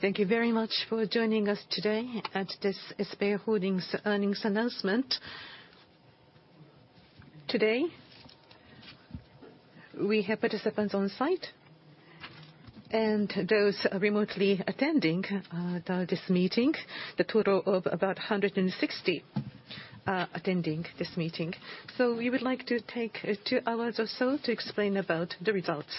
Thank you very much for joining us today at this SBI Holdings earnings announcement. Today, we have participants on site, and those remotely attending this meeting. The total of about 160 attending this meeting. So we would like to take two hours or so to explain about the results.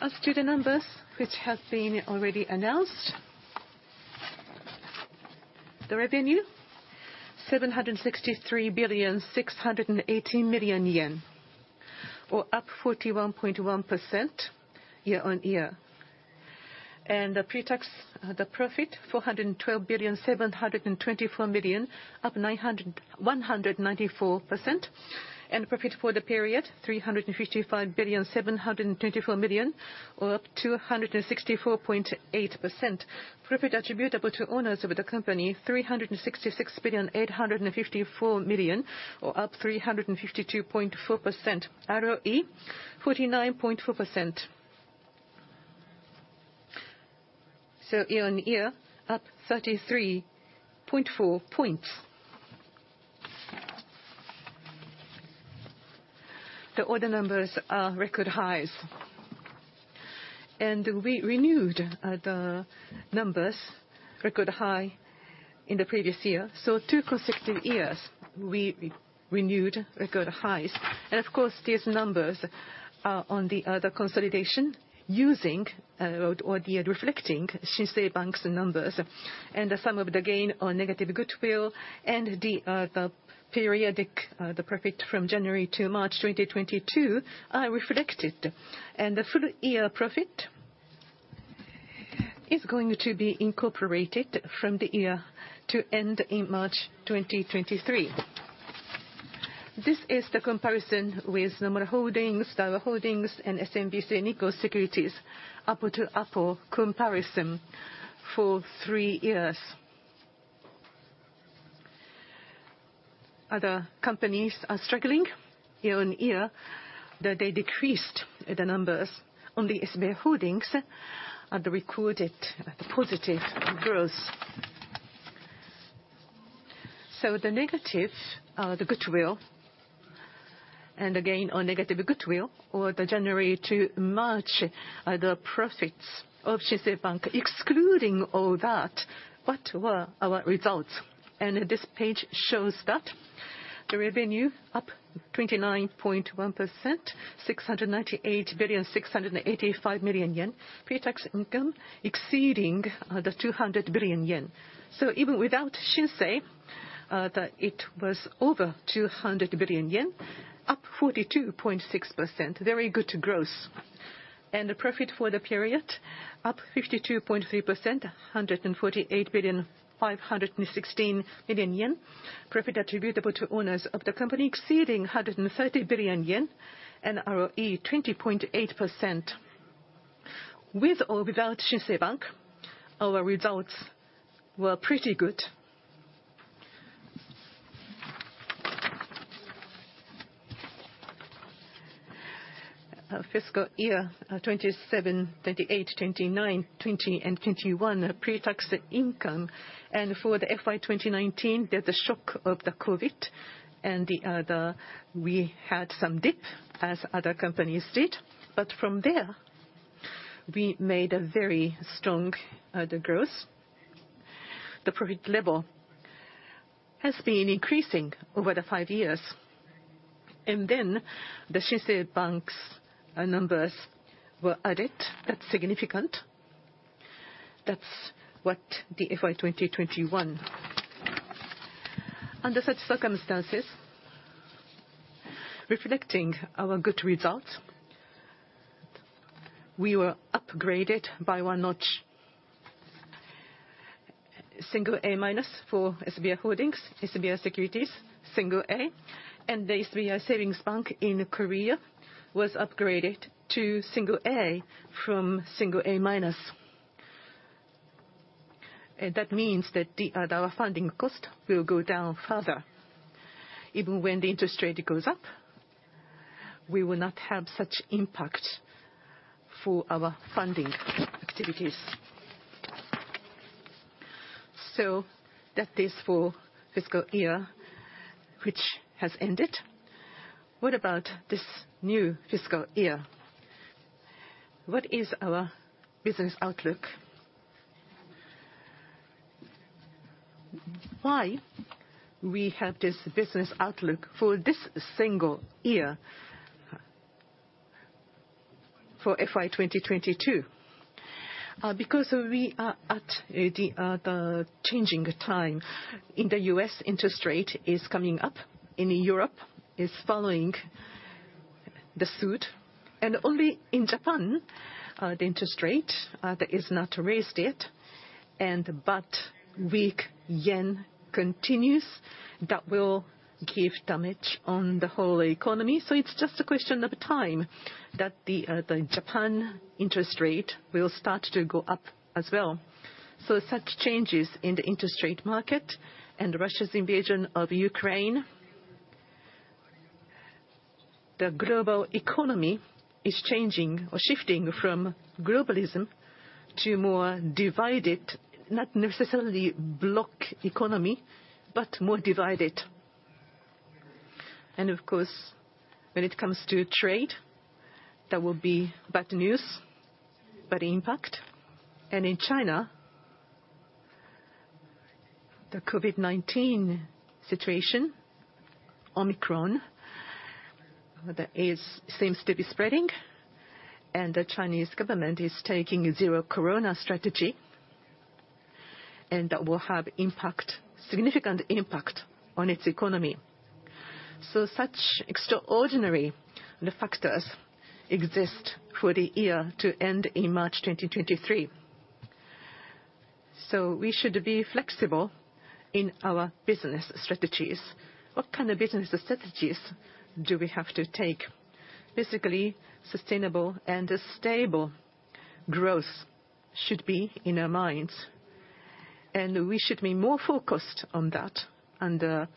As to the numbers which have been already announced. The revenue, 763.68 billion, or up 41.1% year-on-year. The pre-tax profit, 412.724 billion, up 194%. Profit for the period, 355.724 billion, or up 264.8%. Profit attributable to owners of the company, 366.854 billion, up 352.4%. ROE 49.4%. Year-on-year, up 33.4 points. The order numbers are record highs. We renewed the numbers, record high in the previous year. Two consecutive years we renewed record highs. Of course, these numbers are on the consolidation using or the reflecting Shinsei Bank's numbers. Some of the gain on negative goodwill and the periodic profit from January to March 2022 are reflected. The full-year profit is going to be incorporated from the year to end in March 2023. This is the comparison with Nomura Holdings, Daiwa Securities Group Inc., and SMBC Nikko Securities, apples-to-apples comparison for three years. Other companies are struggling year on year, that they decreased the numbers. Only SBI Holdings recorded positive growth. The negatives are the goodwill and the gain on negative goodwill, or the January to March the profits of Shinsei Bank, excluding all that, what were our results? This page shows that the revenue up 29.1%, JPY 698.685 billion. Pre-tax income exceeding the 200 billion yen. Even without Shinsei, it was over 200 billion yen, up 42.6%. Very good growth. The profit for the period up 52.3%, JPY 148.516 billion. Profit attributable to owners of the company exceeding 130 billion yen, and ROE 20.8%. With or without Shinsei Bank, our results were pretty good. Fiscal year 2017, 2018, 2019, 2020, and 2021 pre-tax income. For the FY 2019, there's the shock of the COVID and we had some dip as other companies did. But from there, we made a very strong growth. The profit level has been increasing over the five years. Then the Shinsei Bank's numbers were added. That's significant. That's what the FY 2021. Under such circumstances, reflecting our good results, we were upgraded by one notch. A- for SBI Holdings, SBI Securities, A. The SBI Savings Bank in Korea was upgraded to A from A-. That means that our funding cost will go down further. Even when the interest rate goes up, we will not have such impact for our funding activities. That is for fiscal year which has ended. What about this new fiscal year? What is our business outlook? Why we have this business outlook for this single year for FY 2022? Because we are at the changing time. In the U.S., interest rate is coming up. In Europe, it's following the suit. Only in Japan, the interest rate that is not raised yet, but weak yen continues that will, give, damage, on, the whole economy. It's just a question of time that the Japan interest rate will start to go up as well. Such changes in the interest rate market and Russia's invasion of Ukraine. The global economy is changing or shifting from globalism to more divided, not necessarily block economy, but more divided. Of course, when it comes to trade, that will be bad news, but impact. In China, the COVID-19 situation, Omicron, that is, seems to be spreading, and the Chinese government is taking zero-COVID strategy, and that will have impact, significant impact on its economy. Such extraordinary factors exist for the year to end in March 2023. We should be flexible in our business strategies. What kind of business strategies do we have to take? Basically, sustainable and a stable growth should be in our minds, and we should be more focused on that under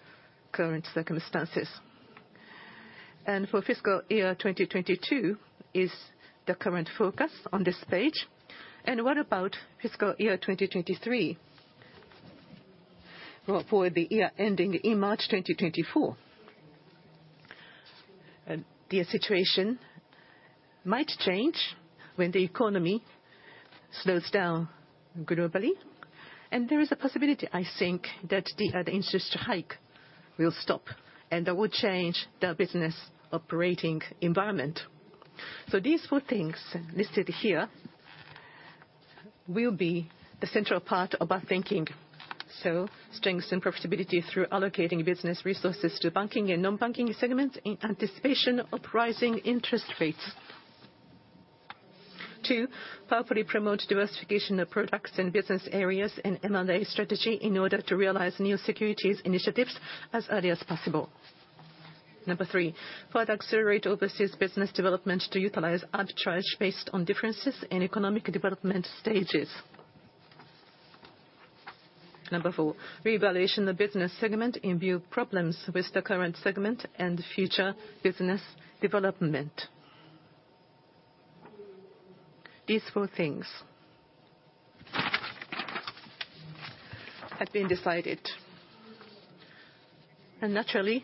current circumstances. For fiscal year 2022 is the current focus on this page. What about fiscal year 2023 or for the year ending in March 2024? The situation might change when the economy slows down globally. There is a possibility, I think, that the interest hike will stop, and that will change the business operating environment. These four things listed here will be the central part of our thinking. Strengthen profitability through allocating business resources to banking and nonbanking segments in anticipation of rising interest rates. Two, powerfully promote diversification of products in business areas in M&A strategy in order to realize new securities initiatives as early as possible. Number three, further accelerate overseas business development to utilize arbitrage based on differences in economic development stages. Number four, reevaluate the business segment in view of problems with the current segment and future business development. These four things have been decided. Naturally,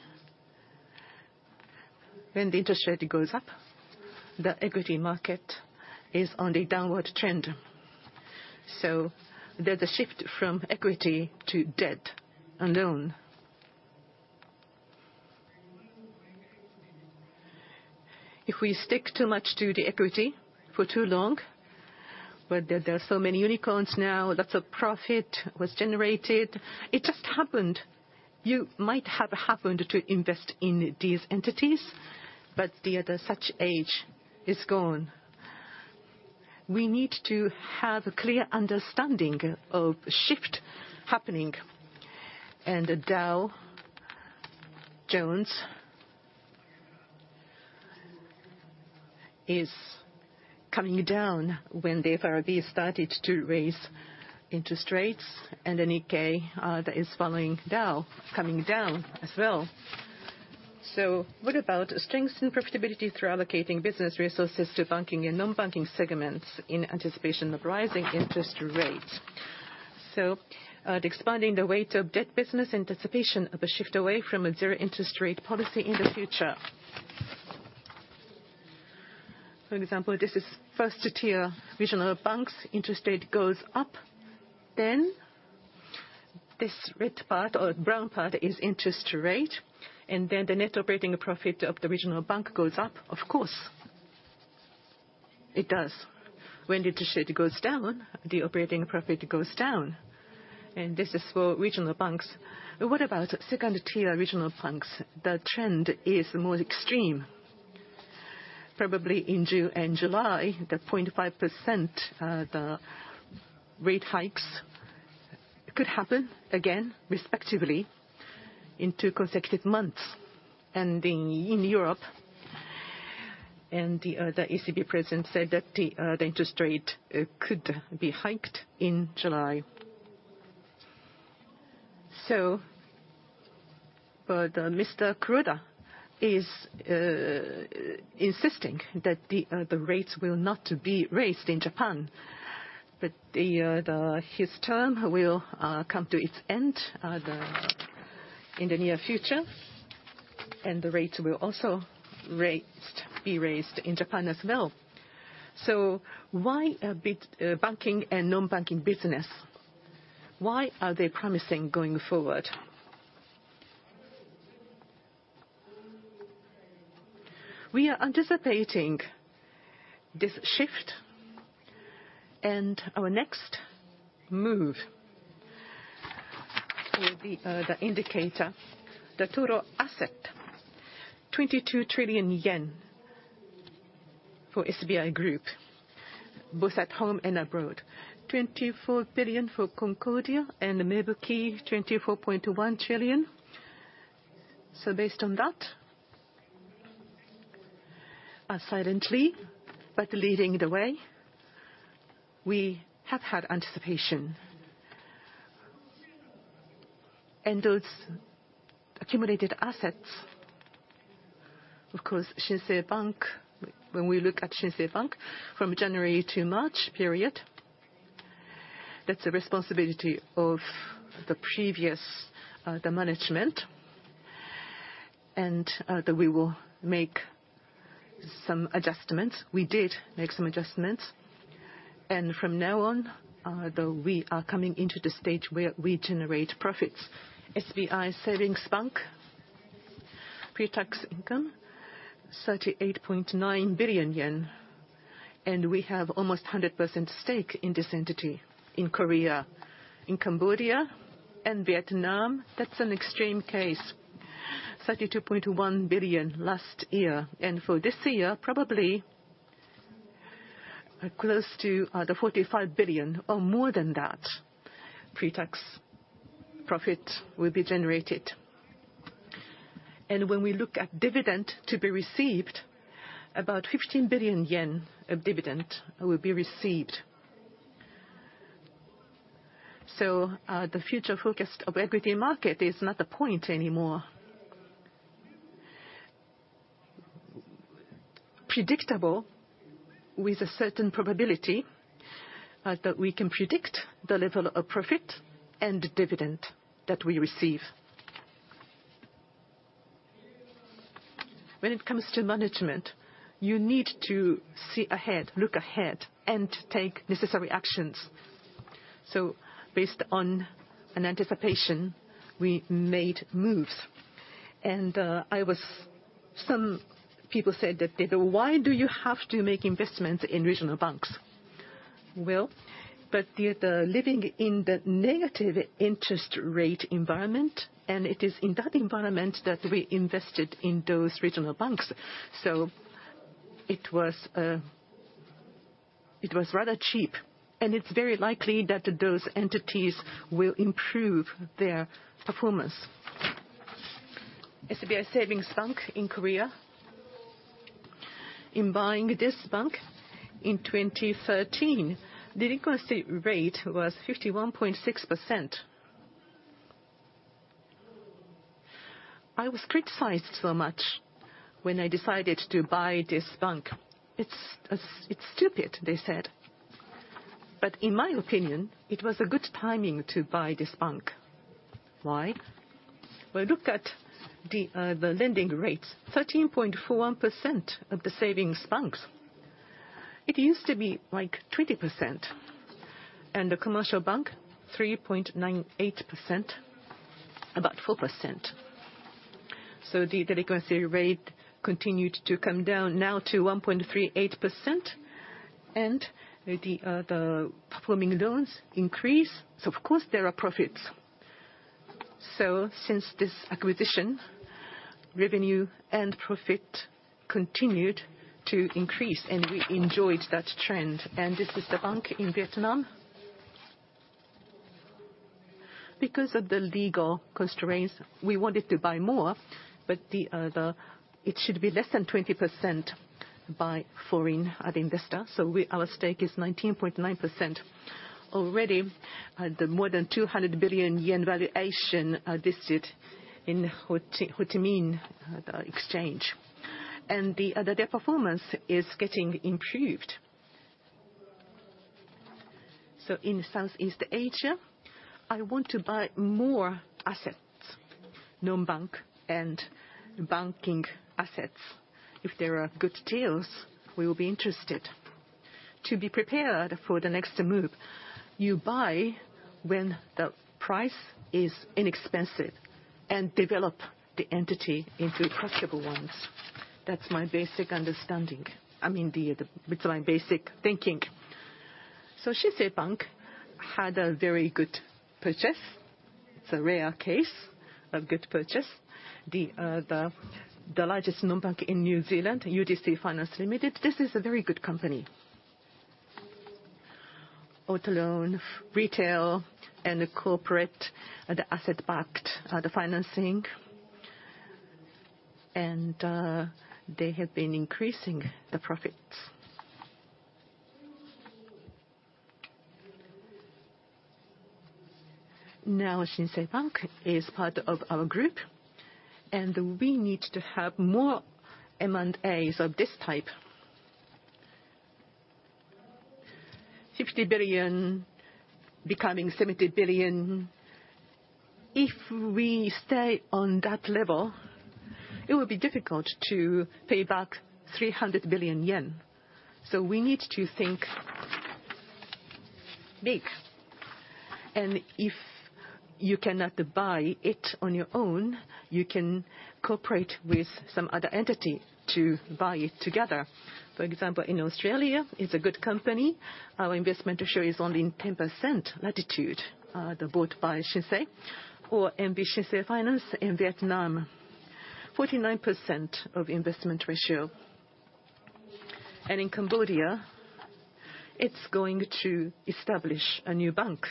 when the interest rate goes up, the equity market is on a downward trend. There's a shift from equity to debt and loan. If we stick too much to the equity for too long, there are so many unicorns now, lots of profit was generated, it just happened. You might have happened to invest in these entities, but, the, such age is gone. We need to have a clear understanding of shift happening. The Dow Jones is coming down when the FRB started to raise interest rates, and the Nikkei, that is following Dow coming down as well. What about strengthening profitability through allocating business resources to banking and nonbanking segments in anticipation of rising interest rates? Expanding the weight of debt business in anticipation of a shift away from a zero interest rate policy in the future. For example, this is Tier 1 regional banks, interest rate goes up. This red part or brown part is interest rate, and then the net operating profit of the regional bank goes up, of course. It does. When the interest rate goes down, the operating profit goes down. This is for regional banks. What about Tier 2 regional banks? The trend is more extreme. Probably in June and July, the 0.5%, the rate hikes could happen again respectively in two consecutive months. In Europe, the ECB president said that the interest rate could be hiked in July. Mr. Kuroda is insisting that the rates will not be raised in Japan, but his term will come to its end in the near future, and the rates will also be raised in Japan as well. Why are banking and nonbanking business promising going forward? We are anticipating this shift, and our next move will be the indicator, the total asset, 22 trillion yen for SBI Group, both at home and abroad. 24 trillion for Concordia and Mebuki, 24.1 trillion. Based on that, silently, but leading the way, we have had anticipation. Those accumulated assets, of course, Shinsei Bank, when we look at Shinsei Bank from January to March period, that's the responsibility of the previous management, and that we will make some adjustments. We did make some adjustments. From now on, we are coming into the stage where we generate profits. SBI Savings Bank pre-tax income 38.9 billion yen, and we have almost 100% stake in this entity in Korea. In Cambodia and Vietnam, that's an extreme case, 32.1 billion last year. For this year, probably close to the 45 billion or more than that pre-tax profit will be generated. When we look at dividend to be received, about 15 billion yen of dividend will be received. The future focus of equity market is not the point anymore. Predictable with a certain probability that we can predict the level of profit and dividend that we receive. When it comes to management, you need to see ahead, look ahead, and take necessary actions. Based on an anticipation, we made moves. Some people said that, "Then why do you have to make investments in regional banks?" The living in the negative interest rate environment, and it is in that environment that we invested in those regional banks. It was rather cheap, and it's very likely that those entities will improve their performance. SBI Savings Bank in Korea, in buying this bank in 2013, delinquency rate was 51.6%. I was criticized so much when I decided to buy this bank. "It's stupid," they said. In my opinion, it was a good timing to buy this bank. Why? Look at the lending rates, 13.41% of the savings banks. It used to be like 20%. The commercial bank, 3.98%, about 4%. The delinquency rate continued to come down now to 1.38%, and the performing loans increase, of course there are profits. Since this acquisition, revenue and profit continued to increase, and we enjoyed that trend. This is the bank in Vietnam. Because of the legal constraints, we wanted to buy more, but it should be less than 20% by foreign investor, our stake is 19.9%. Already, the more than 200 billion yen valuation, listed in Ho Chi Minh exchange. Their performance is getting improved. In Southeast Asia, I want to buy more assets, non-bank and banking assets. If there are good deals, we will be interested. To be prepared for the next move, you buy when the price is inexpensive and develop the entity into profitable ones. That's my basic understanding. I mean, it's my basic thinking. Shinsei Bank had a very good purchase. It's a rare case of good purchase. The largest non-bank in New Zealand, UDC Finance Limited, this is a very good company. Auto loan, retail, and corporate, the asset-backed financing. And they have been increasing the profits. Now Shinsei Bank is part of our group, and we need to have more M&As of this type. 50 billion becoming 70 billion. If we stay on that level, it would be difficult to pay back 300 billion yen. We need to think big. If you cannot buy it on your own, you can cooperate with some other entity to buy it together. For example, in Australia, it's a good company. Our investment ratio is only 10% Latitude, bought by Shinsei. MB Shinsei Finance in Vietnam, 49% investment ratio. In Cambodia, it's going to establish a new bank.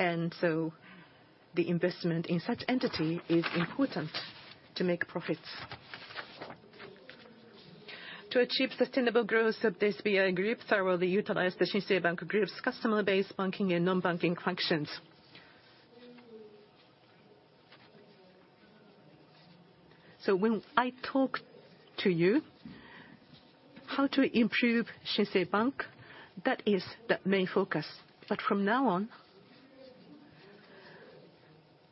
The investment in such entity is important to make profits. To achieve sustainable growth of the SBI Group, thoroughly utilize the Shinsei Bank Group's customer base banking and non-banking functions. When I talk to you, how to improve Shinsei Bank, that is the main focus. From now on,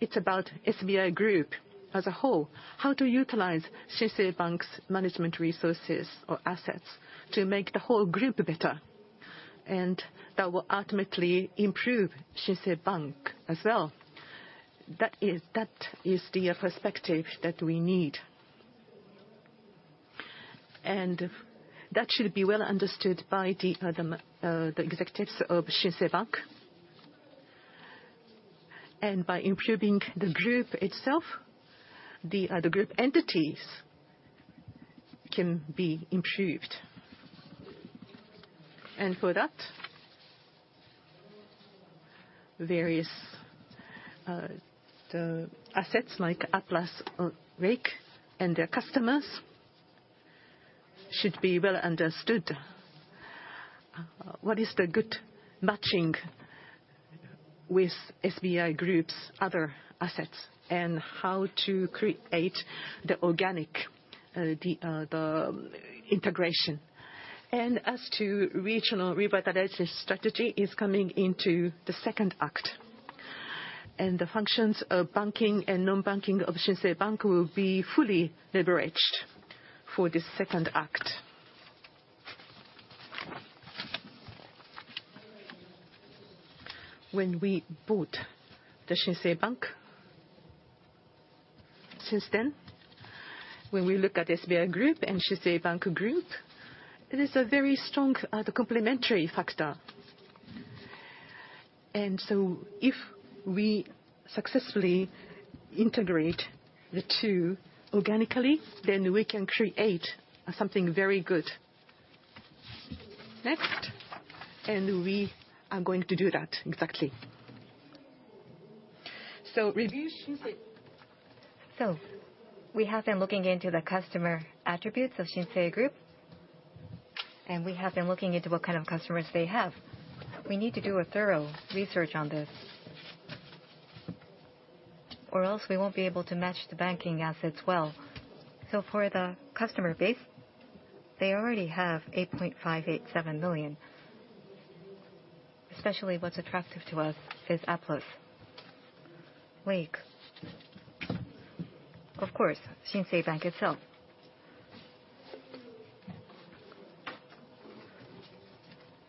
it's about SBI Group as a whole, how to utilize Shinsei Bank's management resources or assets to make the whole group better, and that will ultimately improve Shinsei Bank as well. That is the perspective that we need. That should be well understood by the executives of Shinsei Bank. By improving the group itself, the group entities can be improved. For that, various assets like APLUS or Lake and their customers should be well understood. What is the good matching with SBI Group's other assets, and how to create the organic integration. Regional revitalization strategy is coming into the second act. The functions of banking and non-banking of Shinsei Bank will be fully leveraged for this second act. When we bought the Shinsei Bank, since then, when we look at SBI Group and Shinsei Bank Group, it is a very strong complementary factor. If we successfully integrate the two organically, then we can create something very good. Next. We are going to do that exactly. Review Shinsei. We have been looking into the customer attributes of Shinsei Group, and we have been looking into what kind of customers they have. We need to do a thorough research on this, or else we won't be able to match the banking assets well. For the customer base, they already have 8.587 million. Especially what's attractive to us is APLUS, Lake. Of course, Shinsei Bank itself.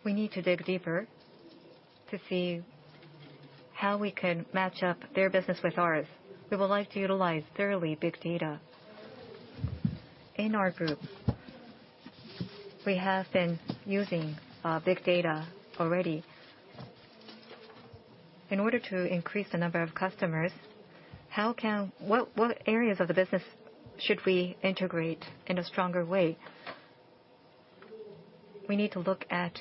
We need to dig deeper to see how we can match up their business with ours. We would like to utilize thoroughly big data. In our group, we have been using big data already. In order to increase the number of customers, what areas of the business should we integrate in a stronger way? We need to look at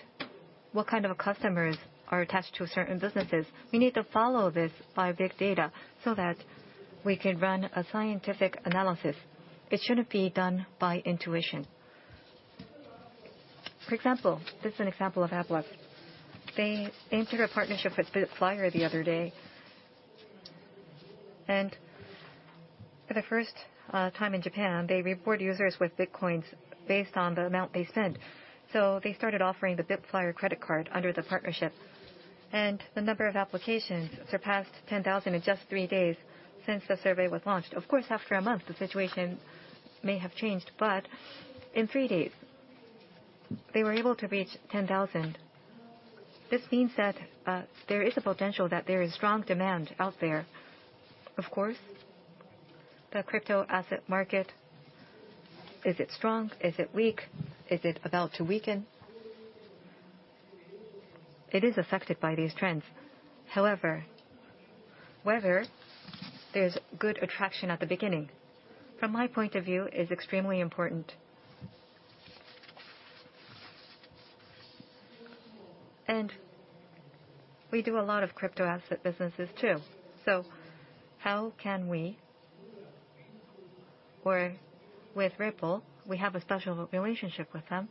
what kind of customers are attached to certain businesses. We need to follow this by big data so that we can run a scientific analysis. It shouldn't be done by intuition. For example, this is an example of APLUS. They entered a partnership with bitFlyer the other day. For the first time in Japan, they rewarded users with Bitcoins based on the amount they send. They started offering the bitFlyer credit card under the partnership, and the number of applications surpassed 10,000 in just three days since the survey was launched. Of course, after a month, the situation may have changed, but in three days they were able to reach 10,000. This means that there is a potential that there is strong demand out there. Of course, the crypto asset market, is it strong? Is it weak? Is it about to weaken? It is affected by these trends. However, whether there's good attraction at the beginning, from my point of view, is extremely important. We do a lot of crypto asset businesses too. How can we work with Ripple? We have a special relationship with them.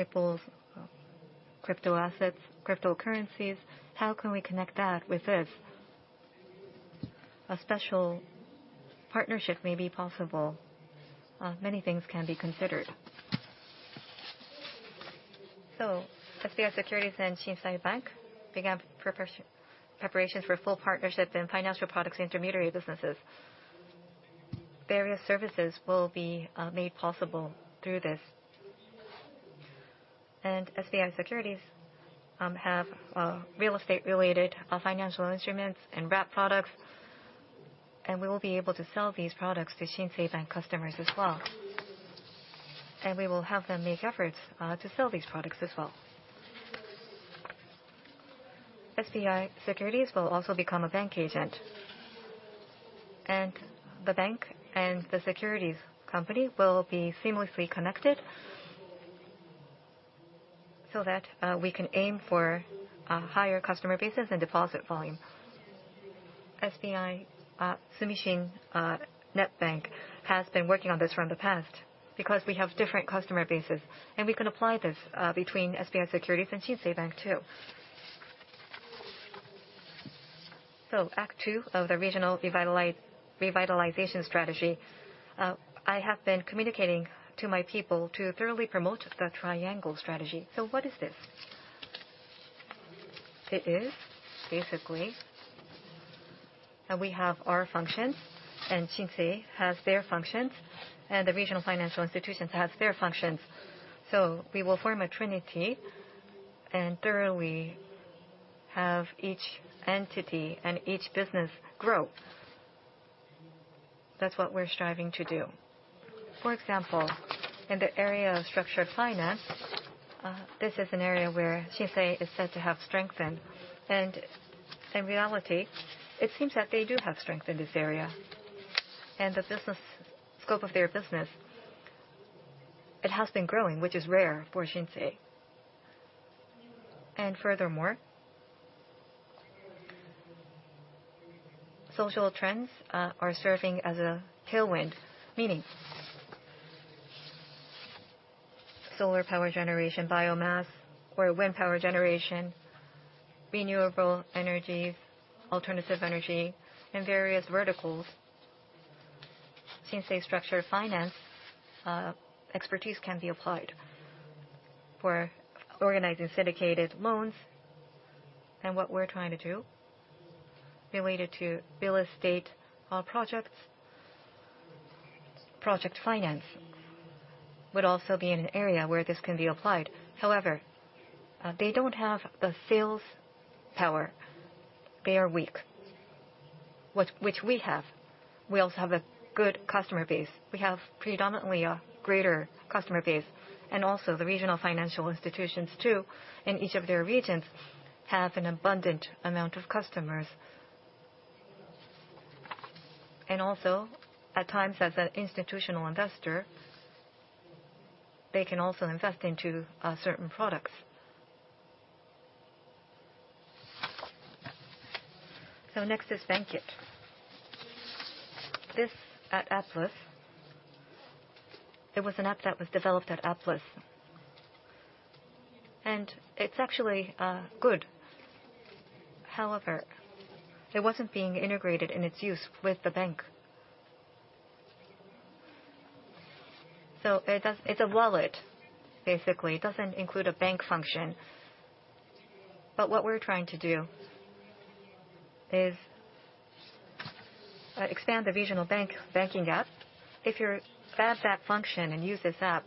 Ripple's crypto assets, cryptocurrencies, how can we connect that with this? A special partnership may be possible. Many things can be considered. SBI Securities and Shinsei Bank began preparations for full partnerships in financial products intermediary businesses. Various services will be made possible through this. SBI Securities have real estate related financial instruments and wrap products, and we will be able to sell these products to Shinsei Bank customers as well. We will have them make efforts to sell these products as well. SBI Securities will also become a bank agent. The bank and the securities company will be seamlessly connected. That we can aim for a higher customer bases and deposit volume. SBI Sumishin Net Bank has been working on this for the past because we have different customer bases, and we can apply this between SBI Securities and Shinsei Bank too. Act two of the regional revitalization strategy, I have been communicating to my people to thoroughly promote the Triangle Strategy. What is this? It is basically that we have our functions, and Shinsei has their functions, and the regional financial institutions have their functions. We will form a trinity and thoroughly have each entity and each business grow. That's what we're striving to do. For example, in the area of structured finance, this is an area where Shinsei is said to have strength in. In reality, it seems that they do have strength in this area. The scope of their business, it has been growing, which is rare for Shinsei. Furthermore, social trends are serving as a tailwind. Meaning solar power generation, biomass or wind power generation, renewable energy, alternative energy in various verticals. Shinsei structured finance expertise can be applied for organizing syndicated loans. What we're trying to do related to real estate projects, project finance would also be an area where this can be applied. However, they don't have the sales power. They are weak, which we have. We also have a good customer base. We have predominantly a greater customer base, and also the regional financial institutions too, in each of their regions, have an abundant amount of customers. Also, at times, as an institutional investor, they can also invest into certain products. Next is Bankit. This at APLUS, it was an app that was developed at APLUS, and it's actually good. However, it wasn't being integrated in its use with the bank. It's a wallet, basically. It doesn't include a bank function. What we're trying to do is expand the regional banking app. If you add that function and use this app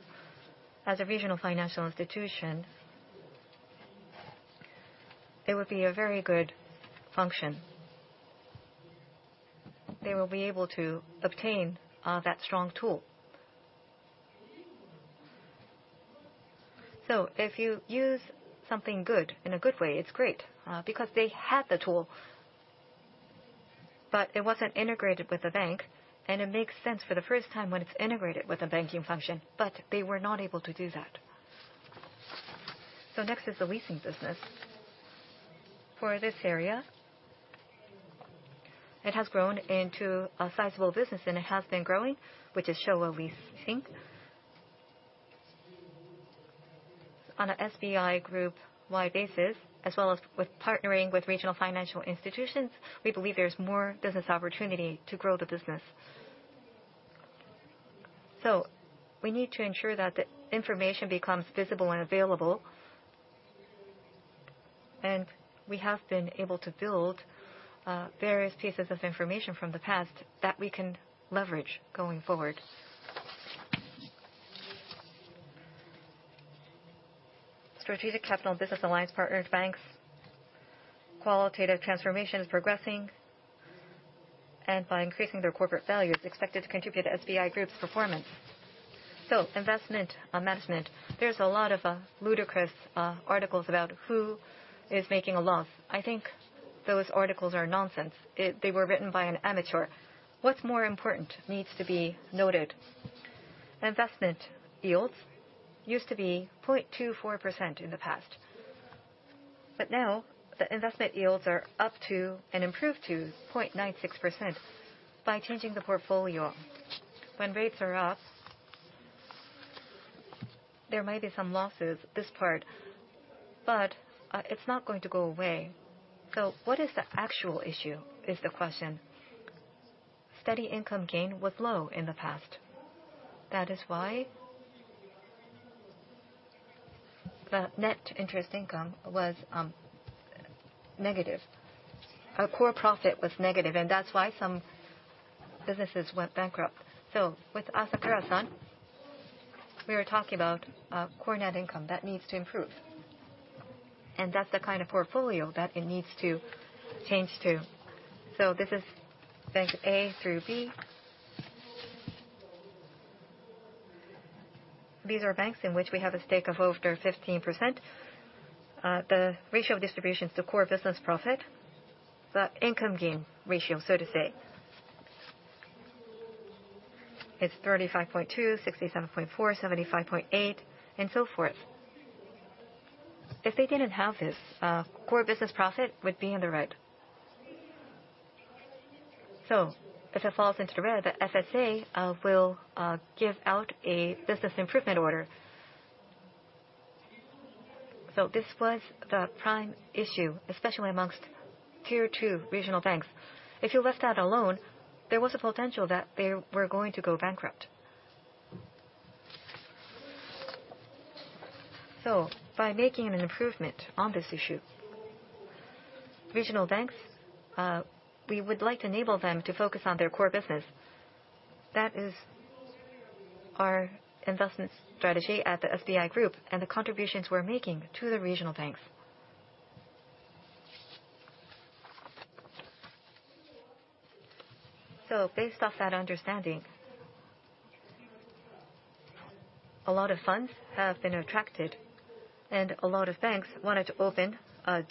as a regional financial institution, it would be a very good function. They will be able to obtain that strong tool. If you use something good in a good way, it's great. Because they had the tool, but it wasn't integrated with the bank, and it makes sense for the first time when it's integrated with a banking function, but they were not able to do that. Next is the leasing business. For this area, it has grown into a sizable business, and it has been growing, which is Showa Leasing. On a SBI Group-wide basis, as well as with partnering with regional financial institutions, we believe there's more business opportunity to grow the business. We need to ensure that the information becomes visible and available. We have been able to build various pieces of information from the past that we can leverage going forward. Strategic capital and business alliance partners banks, qualitative transformation is progressing, and by increasing their corporate value, it's expected to contribute to SBI Group's performance. Investment management, there's a lot of ludicrous articles about who is making a loss. I think those articles are nonsense. They were written by an amateur. What's more important needs to be noted. Investment yields used to be 0.24% in the past, but now the investment yields are up to and improved to 0.96% by changing the portfolio. When rates are up, there might be some losses, this part, but it's not going to go away. What is the actual issue is the question. Steady income gain was low in the past. That is why the net interest income was negative. Our core profit was negative, and that's why some businesses went bankrupt. With Asakura-san, we were talking about core net income that needs to improve, and that's the kind of portfolio that it needs to change to. This is bank A through B. These are banks in which we have a stake of over 15%. The ratio of distributions to core business profit, the income gain ratio, so to say. It's 35.2%, 67.4%, 75.8%, and so forth. If they didn't have this, core business profit would be in the red. If it falls into the red, the FSA will give out a business improvement order. This was the prime issue, especially among Tier 2 regional banks. If you left that alone, there was a potential that they were going to go bankrupt. By making an improvement on this issue, regional banks, we would like to enable them to focus on their core business. That is our investment strategy at the SBI Group and the contributions we're making to the regional banks. Based off that understanding, a lot of funds have been attracted, and a lot of banks wanted to open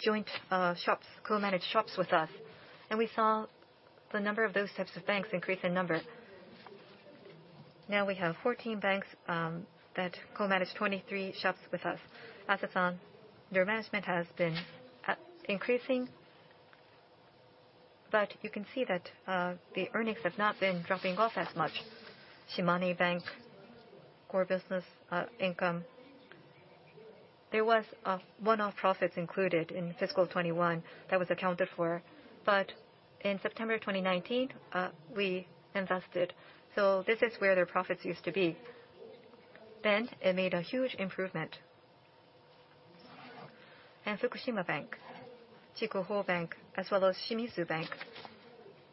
joint shops, co-managed shops with us, and we saw the number of those types of banks increase in number. Now we have 14 banks that co-manage 23 shops with us. As is shown, their management has been increasing, but you can see that the earnings have not been dropping off as much. Shimane Bank core business income, there was one-off profits included in fiscal 2021 that was accounted for. In September 2019, we invested. This is where their profits used to be. It made a huge improvement. Fukushima Bank, Chikuho Bank, as well as Shimizu Bank,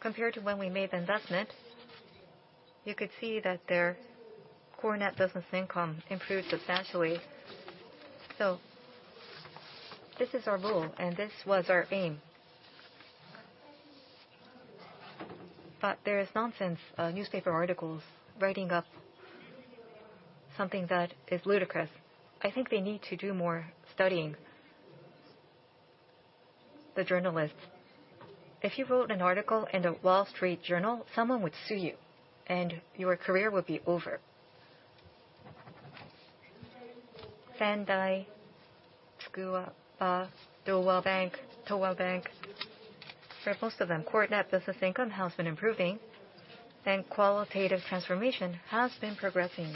compared to when we made the investment, you could see that their core net business income improved substantially. This is our rule, and this was our aim. There is nonsense, newspaper articles, writing up something that is ludicrous. I think they need to do more studying, the journalists. If you wrote an article in The Wall Street Journal, someone would sue you, and your career would be over. Sendai Bank, Tsukuba Bank, Towa Bank, for most of them, core net business income has been improving and qualitative transformation has been progressing.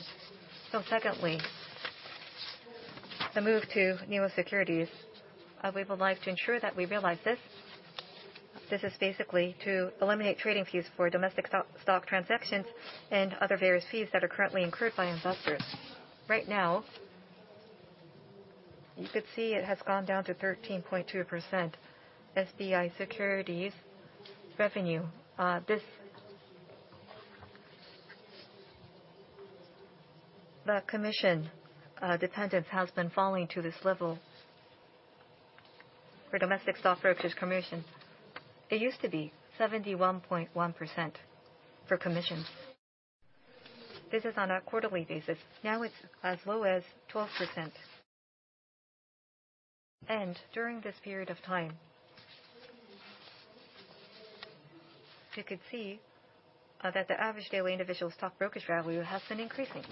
Secondly, the move to Neo-securities. We would like to ensure that we realize this. This is basically to eliminate trading fees for domestic stock transactions and other various fees that are currently incurred by investors. Right now, you could see it has gone down to 13.2%, SBI Securities revenue. The commission dependence has been falling to this level for domestic stock brokerage commission. It used to be 71.1% for commission. This is on a quarterly basis. Now it's as low as 12%. During this period of time, you could see that the average daily individual stock brokerage revenue has been increasing.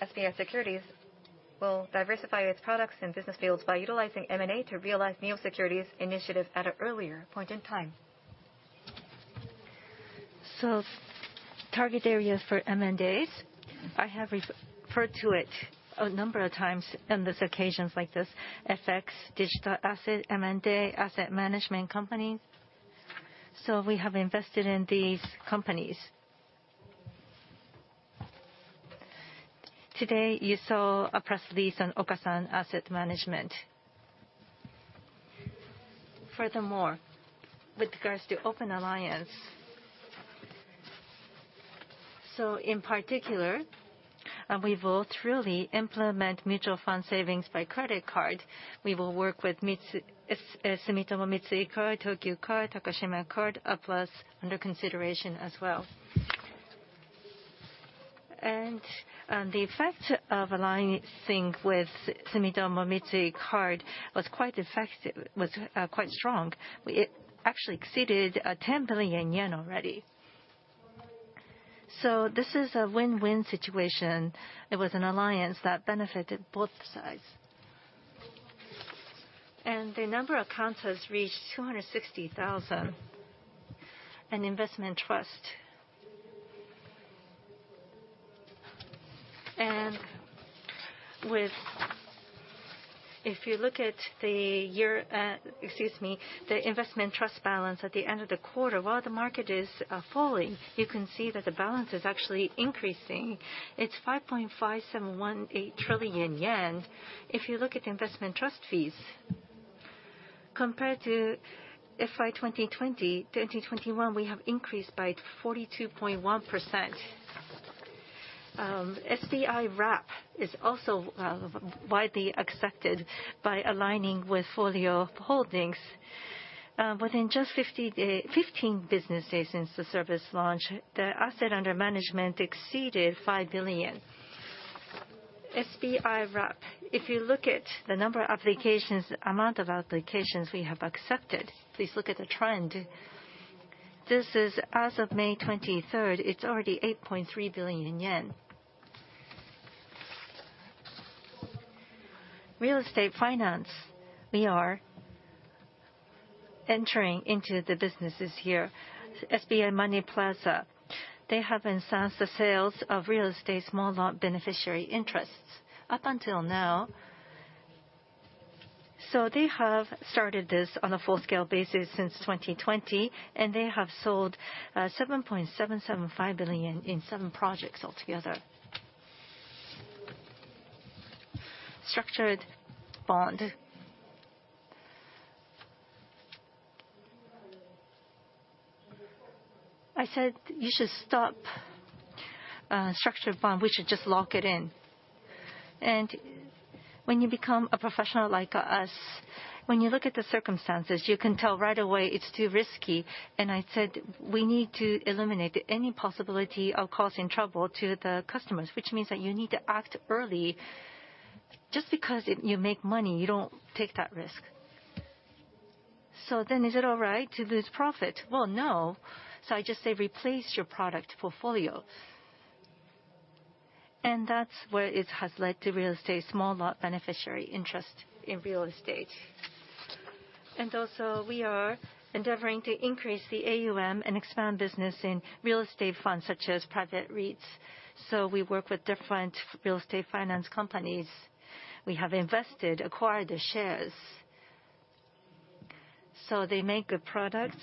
SBI Securities will diversify its products and business fields by utilizing M&A to realize Neo-securities initiative at an earlier point in time. Target areas for M&As, I have referred to it a number of times on these occasions like this, FX, digital asset, M&A, asset management companies. We have invested in these companies. Today, you saw a press release on Okasan Asset Management. Furthermore, with regards to open alliance, in particular, we will truly implement mutual fund savings by credit card. We will work with Sumitomo Mitsui Card, Tokyu Card, Takashimaya Card, APLUS under consideration as well. The effect of aligning with Sumitomo Mitsui Card was quite effective, was quite strong. It actually exceeded 10 billion yen already. This is a win-win situation. It was an alliance that benefited both sides. The number of accounts has reached 260,000 in investment trust. If you look at the year, excuse me, the investment trust balance at the end of the quarter, while the market is falling, you can see that the balance is actually increasing. It's 5.5718 trillion yen. If you look at investment trust fees, compared to FY 2020-2021, we have increased by 42.1%. SBI Wrap is also widely accepted by aligning with FOLIO Holdings. Within just fifteen business days since the service launch, the asset under management exceeded 5 billion. SBI Wrap. If you look at the number of applications, amount of applications we have accepted, please look at the trend. This is as of May 23, it's already 8.3 billion yen. Real estate finance, we are entering into the businesses here. SBI Money Plaza, they have enhanced the sales of real estate small loan beneficiary interests up until now. They have started this on a full-scale basis since 2020, and they have sold 7.775 billion in seven projects altogether. Structured bond. I said, "You should stop structured bond. We should just lock it in." When you become a professional like us, when you look at the circumstances, you can tell right away it's too risky. I said, "We need to eliminate any possibility of causing trouble to the customers, which means that you need to act early." Just because you make money, you don't take that risk. Is it all right to lose profit? Well, no. I just say replace your product portfolio. That's where it has led to real estate small loan beneficiary interest in real estate. We are also endeavoring to increase the AUM and expand business in real estate funds, such as private REITs. We work with different real estate finance companies. We have invested, acquired the shares. They make good products.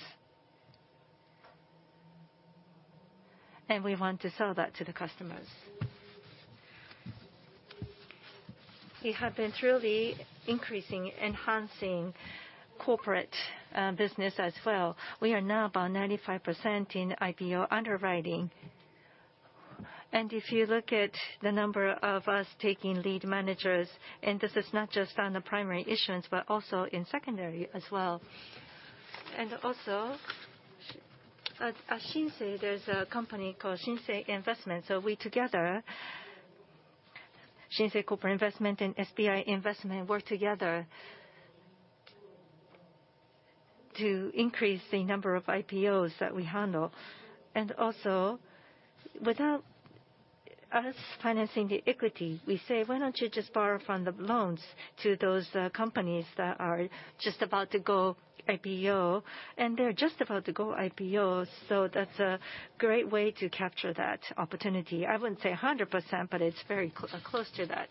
We want to sell that to the customers. We have been really increasing, enhancing corporate business as well. We are now about 95% in IPO underwriting. If you look at the number of us taking lead managers, and this is not just on the primary issuance, but also in secondary as well. At Shinsei, there's a company called Shinsei Corporate Investment, so we together, Shinsei Corporate Investment and SBI Investment work together to increase the number of IPOs that we handle. Without us financing the equity, we say, "Why don't you just borrow from the loans to those companies that are just about to go IPO?" They're just about to go IPO, so that's a great way to capture that opportunity. I wouldn't say 100%, but it's very close to that.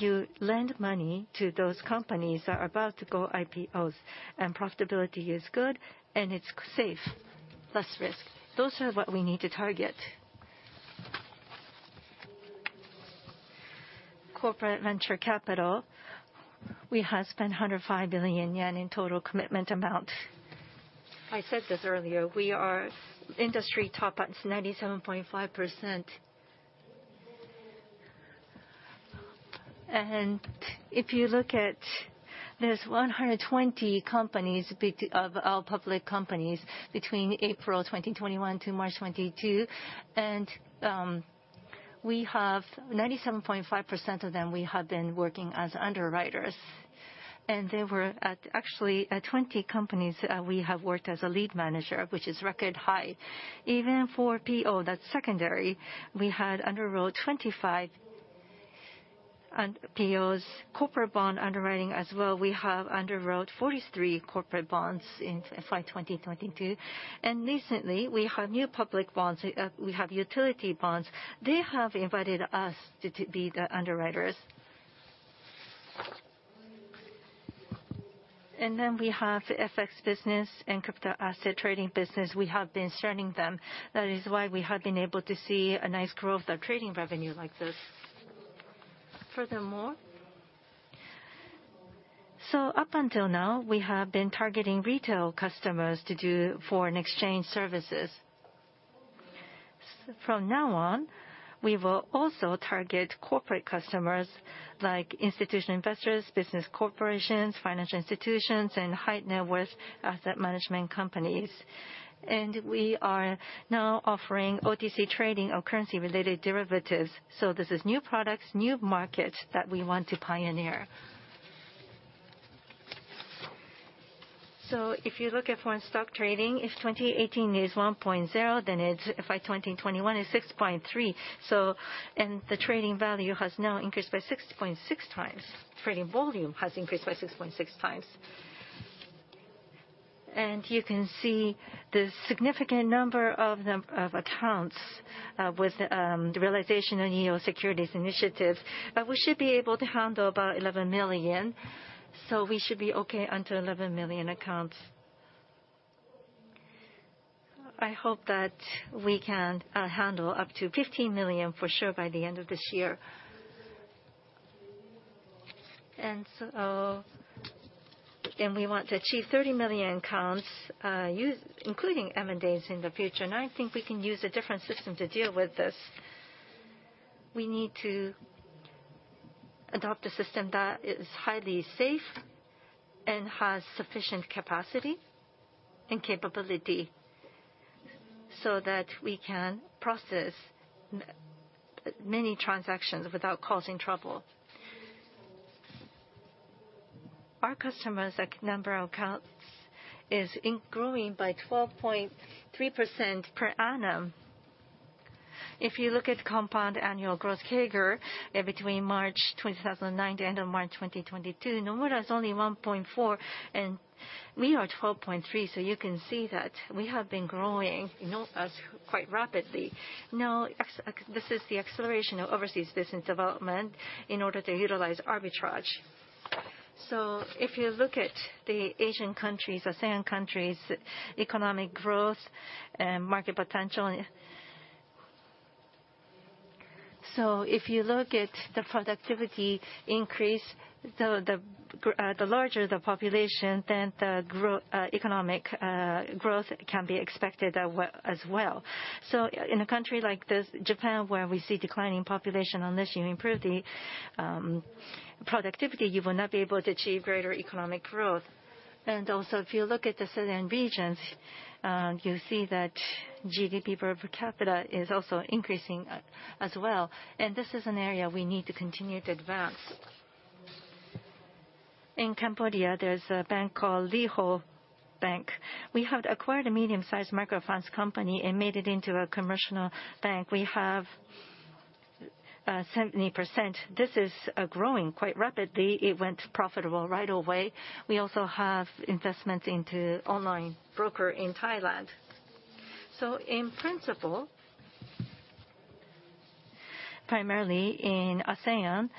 You lend money to those companies that are about to go IPO, and profitability is good, and it's safe, less risk. Those are what we need to target. Corporate venture capital, we have spent 105 billion yen in total commitment amount. I said this earlier, we are industry top at 97.5%. If you look at, there are 120 public companies between April 2021 to March 2022, and we have 97.5% of them we have been working as underwriters. There were actually 20 companies we have worked as a lead manager, which is record high. Even for IPO, that's secondary, we had underwrote 25 IPOs, corporate bond underwriting as well. We have underwrote 43 corporate bonds in FY 2022. Recently, we have new public bonds. We have utility bonds. They have invited us to be the underwriters. Then we have FX business and crypto asset trading business. We have been strengthening them. That is why we have been able to see a nice growth of trading revenue like this. Furthermore, so up until now, we have been targeting retail customers to do foreign exchange services. From now on, we will also target corporate customers like institutional investors, business corporations, financial institutions, and high-net-worth asset management companies. We are now offering OTC trading of currency-related derivatives, so this is new products, new markets that we want to pioneer. If you look at foreign stock trading, if 2018 is 1.0, then it's, by 2021, is 6.3. The trading value has now increased by 6.6 times. Trading volume has increased by 6.6 times. You can see the significant number of them, of accounts, with the realization of SBI Neotrade Securities initiatives. We should be able to handle about 11 million, so we should be okay up to 11 million accounts. I hope that we can handle up to 15 million for sure by the end of this year. We want to achieve 30 million accounts, including M&As in the future. I think we can use a different system to deal with this. We need to adopt a system that is highly safe and has sufficient capacity and capability so that we can process many transactions without causing trouble. Our customers, like number of accounts, is increasing by 12.3% per annum. If you look at compound annual growth CAGR, between March 2009 to end of March 2022, Nomura is only 1.4, and we are 12.3. You can see that we have been growing numbers quite rapidly. This is the acceleration of overseas business development in order to utilize arbitrage. If you look at the Asian countries, ASEAN countries, economic growth and market potential. If you look at the productivity increase, the larger the population, then the economic growth can be expected as well. In a country like this, Japan, where we see declining population, unless you improve productivity, you will not be able to achieve greater economic growth. Also, if you look at certain regions, you see that GDP per capita is also increasing as well. This is an area we need to continue to advance. In Cambodia, there's a bank called SBI LY HOUR Bank. We have acquired a medium-sized microfinance company and made it into a commercial bank. We have 70%. This is growing quite rapidly. It went profitable right away. We also have investments into online broker in Thailand. In principle, primarily in ASEAN,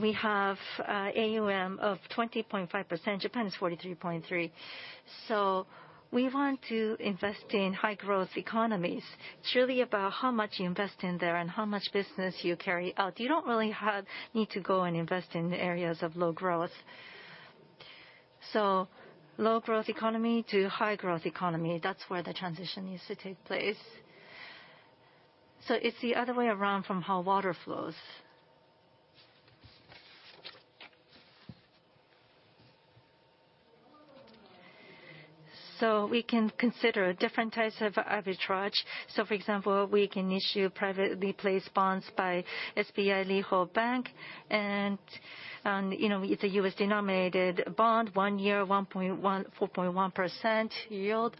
we have AUM of 20.5%. Japan is 43.3%. We want to invest in high growth economies. It's really about how much you invest in there and how much business you carry out. You don't really need to go and invest in areas of low growth. Low growth economy to high growth economy, that's where the transition needs to take place. It's the other way around from how water flows. We can consider different types of arbitrage. For example, we can issue privately placed bonds by SBI LY HOUR Bank. You know, it's a U.S.-denominated bond, 1 year, 4.1% yield.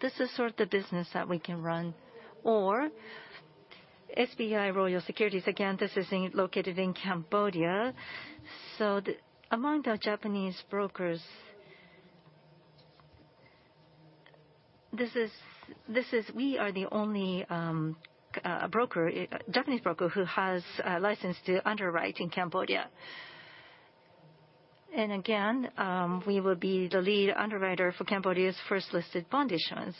This is sort of the business that we can run. SBI Royal Securities, again, this is located in Cambodia. Among the Japanese brokers, we are the only Japanese broker who has a license to underwrite in Cambodia. We will be the lead underwriter for Cambodia's first-listed bond issuance.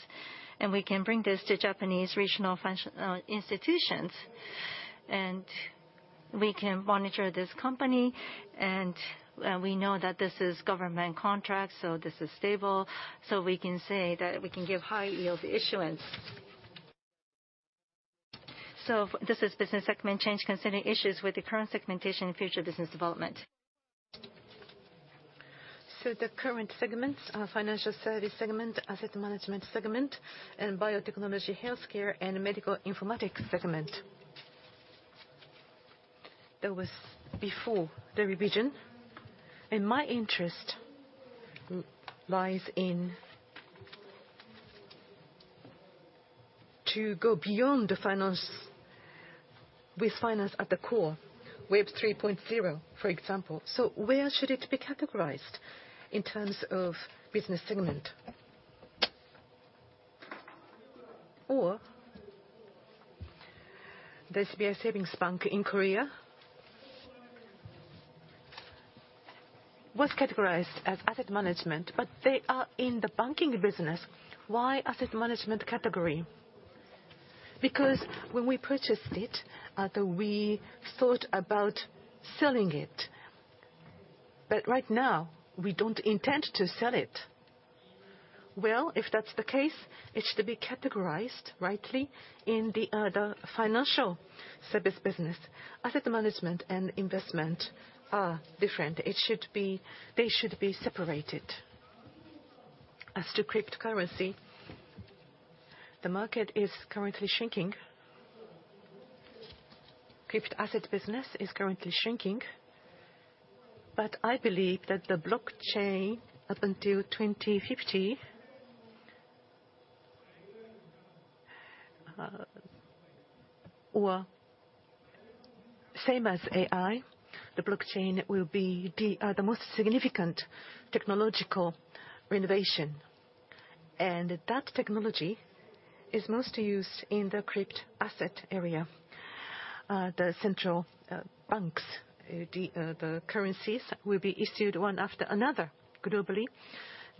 We can bring this to Japanese regional financial institutions. We can monitor this company. We know that this is government contract, so this is stable. We can say that we can give high yield issuance. This is business segment change concerning issues with the current segmentation and future business development. The current segments are financial service segment, asset management segment, and biotechnology, healthcare, and medical informatics segment. That was before the revision. My interest lies in, to go beyond the finance, with finance at the core, Web 3.0, for example. Where should it be categorized in terms of business segment? Or the SBI Savings Bank in Korea was categorized as asset management, but they are in the banking business. Why asset management category? Because when we purchased it, we thought about selling it, but right now we don't intend to sell it. Well, if that's the case, it should be categorized rightly in the financial service business. Asset management and investment are different. They should be separated. As to cryptocurrency, the market is currently shrinking. Crypto asset business is currently shrinking, but I believe that the blockchain up until 2050, or same as AI, the blockchain will be the most significant technological innovation. That technology is most used in the crypto asset area. The central banks, the currencies will be issued one after another globally.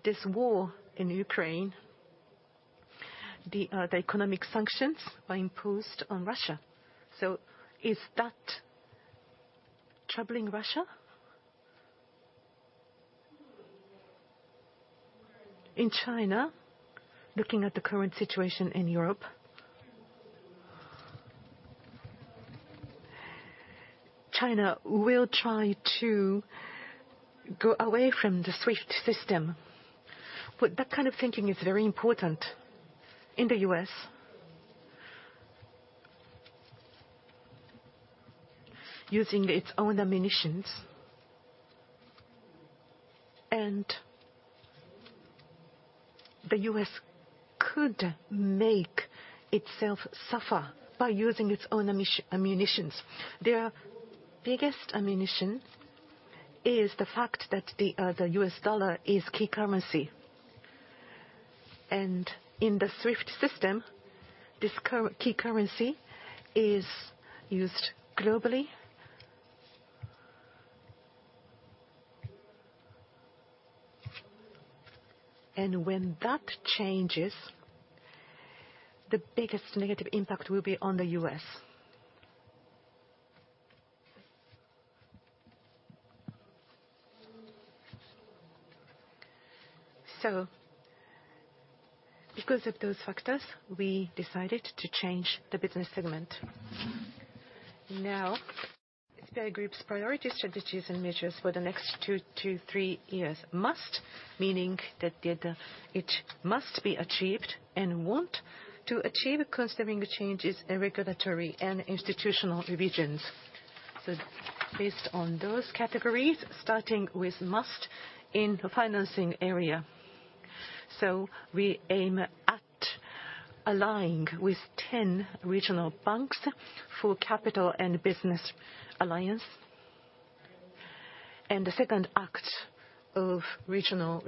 This war in Ukraine, the economic sanctions are imposed on Russia. Is that troubling Russia? In China, looking at the current situation in Europe, China will try to go away from the SWIFT system. That kind of thinking is very important in the U.S. Using its own ammunitions. The U.S. could make itself suffer by using its own ammunitions. Their biggest ammunition is the fact that the U.S. dollar is key currency. In the SWIFT system, this key currency is used globally. When that changes, the biggest negative impact will be on the U.S. Because of those factors, we decided to change the business segment. Now, SBI Group's priority strategies and measures for the next two to three years must, meaning that it must be achieved and want to achieve considering the changes in regulatory and institutional revisions. Based on those categories, starting with must in the financing area. We aim at aligning with 10 regional banks for capital and business alliance. The second act of regional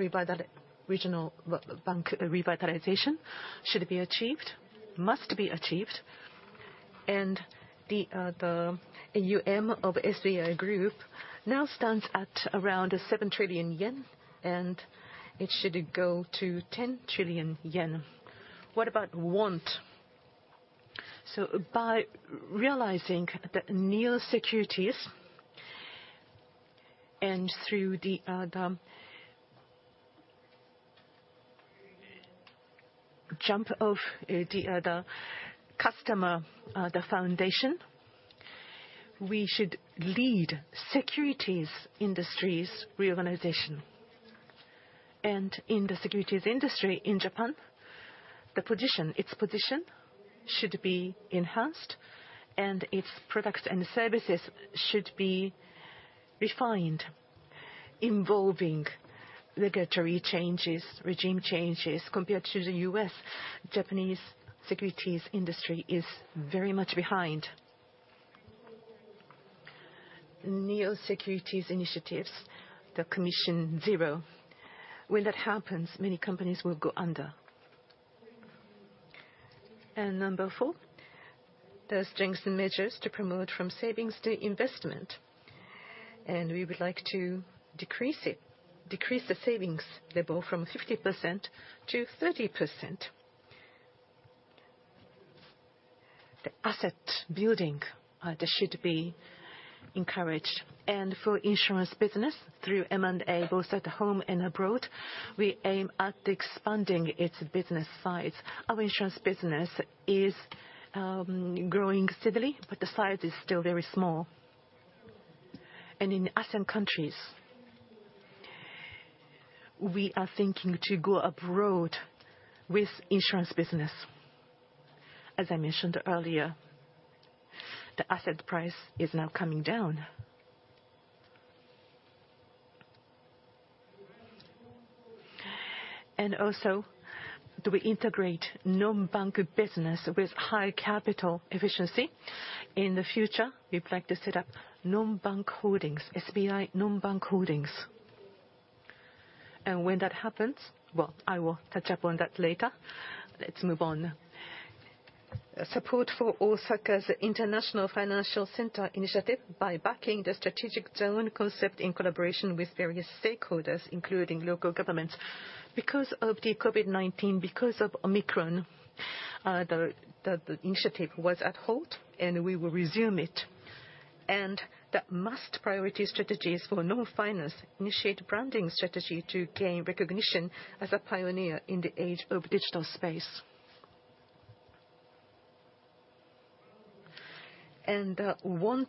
bank revitalization should be achieved, must be achieved. The AUM of SBI Group now stands at around 7 trillion yen, and it should go to 10 trillion yen. What about one? By realizing that SBI Neo-securities and through the jump of the customer foundation, we should lead securities industry's reorganization. In the securities industry in Japan, its position should be enhanced, and its products and services should be refined, involving regulatory changes, regime changes. Compared to the U.S., Japanese securities industry is very much behind. SBI Neo-securities initiatives, the commission zero. When that happens, many companies will go under. Number four, the strengths and measures to promote from savings to investment. We would like to decrease the savings level from 50% to 30%. The asset building that should be encouraged. For insurance business, through M&A, both at home and abroad, we aim at expanding its business size. Our insurance business is growing steadily, but the size is still very small. In ASEAN countries, we are thinking to go abroad with insurance business. As I mentioned earlier, the asset price is now coming down. Also, we do integrate non-bank business with high capital efficiency. In the future, we'd like to set up non-bank holdings, SBI non-bank holdings. When that happens, I will touch on that later. Let's move on. Support for Osaka's International Financial Center initiative by backing the strategic zone concept in collaboration with various stakeholders, including local governments. Because of the COVID-19, because of Omicron, the initiative was at a halt, and we will resume it. The most priority strategies for non-finance initiatives branding strategy to gain recognition as a pioneer in the age of digital space. One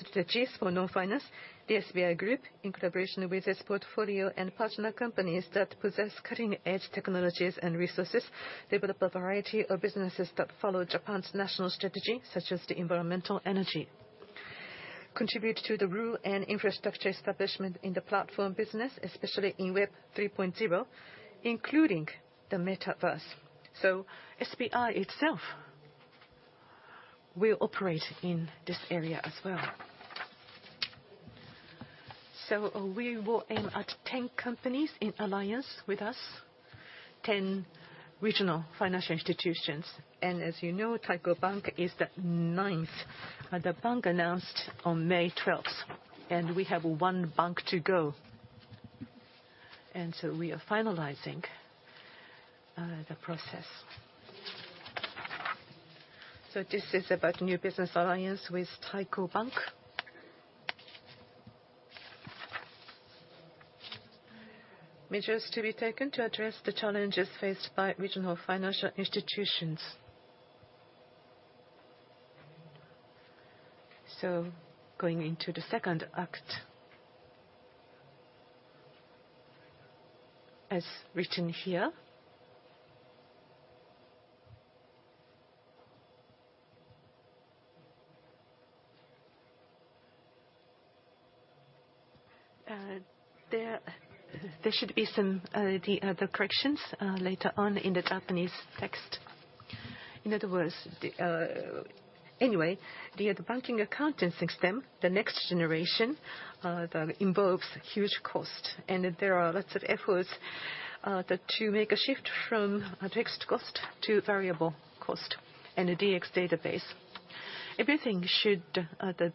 strategy for non-finance, the SBI Group, in collaboration with its portfolio and partner companies that possess cutting-edge technologies and resources, develop a variety of businesses that follow Japan's national strategy, such as the environment, energy. Contribute to the role and infrastructure establishment in the platform business, especially in Web 3.0, including the Metaverse. SBI itself will operate in this area as well. We will aim at 10 companies in alliance with us, 10 regional financial institutions. As you know, Taiko Bank is the ninth. The bank announced on May 12th, and we have one bank to go. We are finalizing the process. This is about new business alliance with Taiko Bank. Measures to be taken to address the challenges faced by regional financial institutions. Going into the second act. As written here. There should be some corrections later on in the Japanese text. In other words, anyway, the banking accounting system, the next generation, invokes huge cost, and there are lots of efforts to make a shift from fixed cost to variable cost in a DX database. Everything should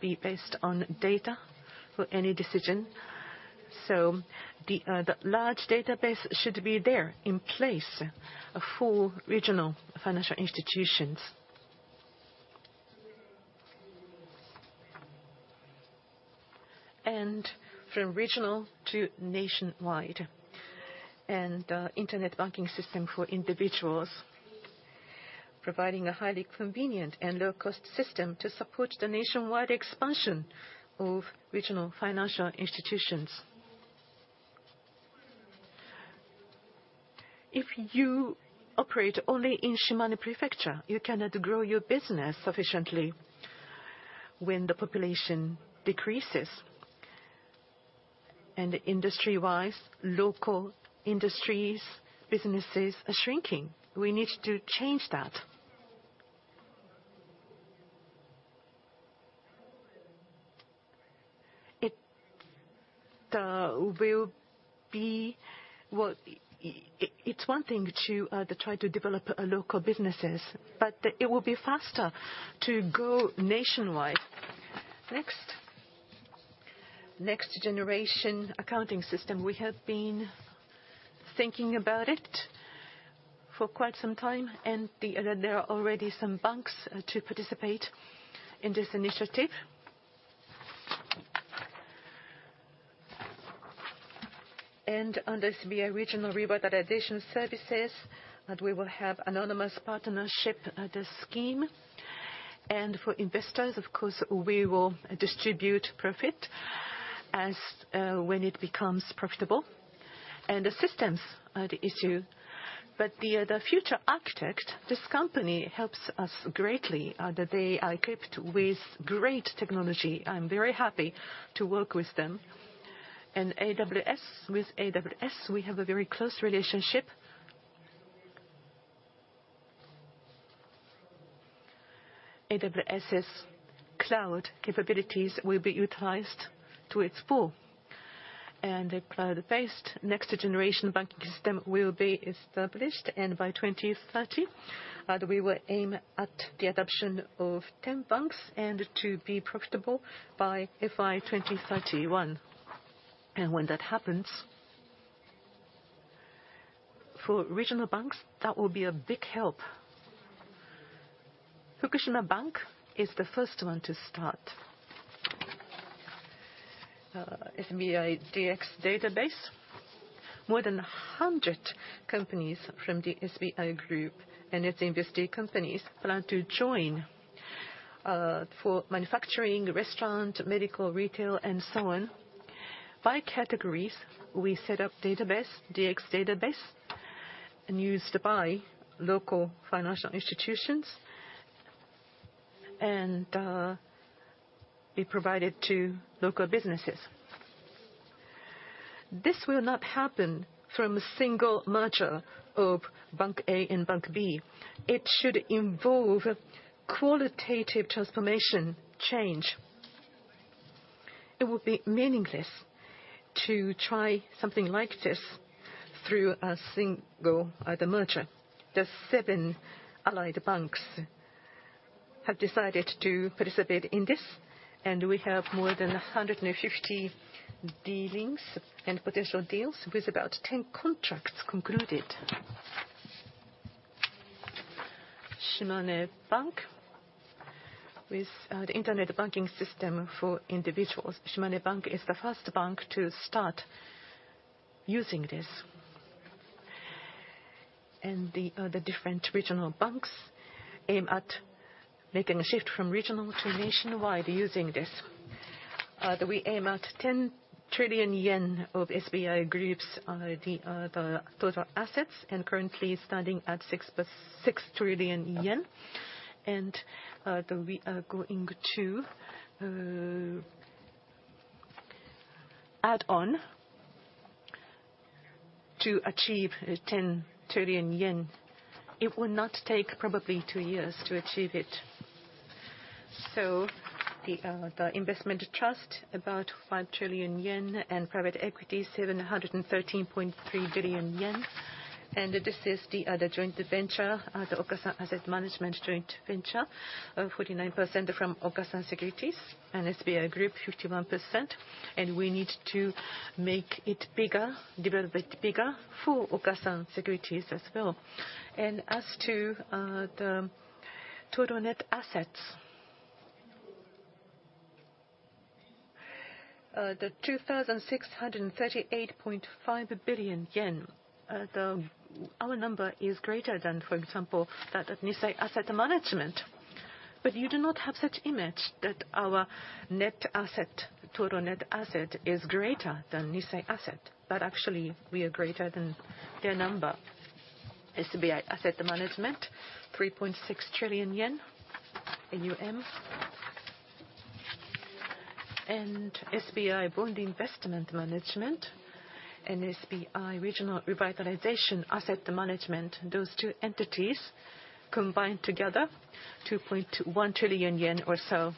be based on data for any decision, so the large database should be there in place for regional financial institutions. From regional to nationwide, and internet banking system for individuals, providing a highly convenient and low-cost system to support the nationwide expansion of regional financial institutions. If you operate only in Shimane Prefecture, you cannot grow your business sufficiently when the population decreases. Industry-wise, local industries, businesses are shrinking. We need to change that. It's one thing to try to develop local businesses, but it will be faster to go nationwide. Next. Next-generation accounting system. We have been thinking about it for quite some time, and there are already some banks to participate in this initiative. Under SBI Regional Revitalization Services, and we will have anonymous partnership scheme. For investors, of course, we will distribute profit as when it becomes profitable. The systems are the issue. The future architect, this company helps us greatly, that they are equipped with great technology. I'm very happy to work with them. AWS, with AWS, we have a very close relationship. AWS's cloud capabilities will be utilized to its full, and a cloud-based next-generation banking system will be established. By 2030, we will aim at the adoption of 10 banks and to be profitable by FY 2031. When that happens, for regional banks, that will be a big help. Fukushima Bank is the first one to start. SBI DX Database. More than 100 companies from the SBI Group and its invested companies plan to join, for manufacturing, restaurant, medical, retail, and so on. By categories, we set up database, DX Database, and used by local financial institutions and, be provided to local businesses. This will not happen from a single merger of bank A and bank B. It should involve a qualitative transformation change. It would be meaningless to try something like this through a single merger. The seven allied banks have decided to participate in this, and we have more than 150 dealings and potential deals with about 10 contracts concluded. Shimane Bank with the internet banking system for individuals. Shimane Bank is the first bank to start using this. The different regional banks aim at making a shift from regional to nationwide using this. We aim at 10 trillion yen of SBI Group's total assets, and currently standing at 6 trillion yen. We are going to add on to achieve 10 trillion yen. It will not take probably two years to achieve it. The investment trust, about 5 trillion yen, and private equity, 713.3 billion yen. This is the Okasan Asset Management joint venture, 49% from Okasan Securities and SBI Group 51%. We need to make it bigger, develop it bigger for Okasan Securities as well. As to the total net assets, 2,638.5 billion yen. Our number is greater than, for example, that of Nissay Asset Management. You do not have such image that our net asset, total net asset is greater than Nissay Asset Management, but actually we are greater than their number. SBI Asset Management, 3.6 trillion yen AUM. SBI Bond Investment Management and SBI Regional Revitalization Asset Management, those two entities combined together, 2.1 trillion yen or so.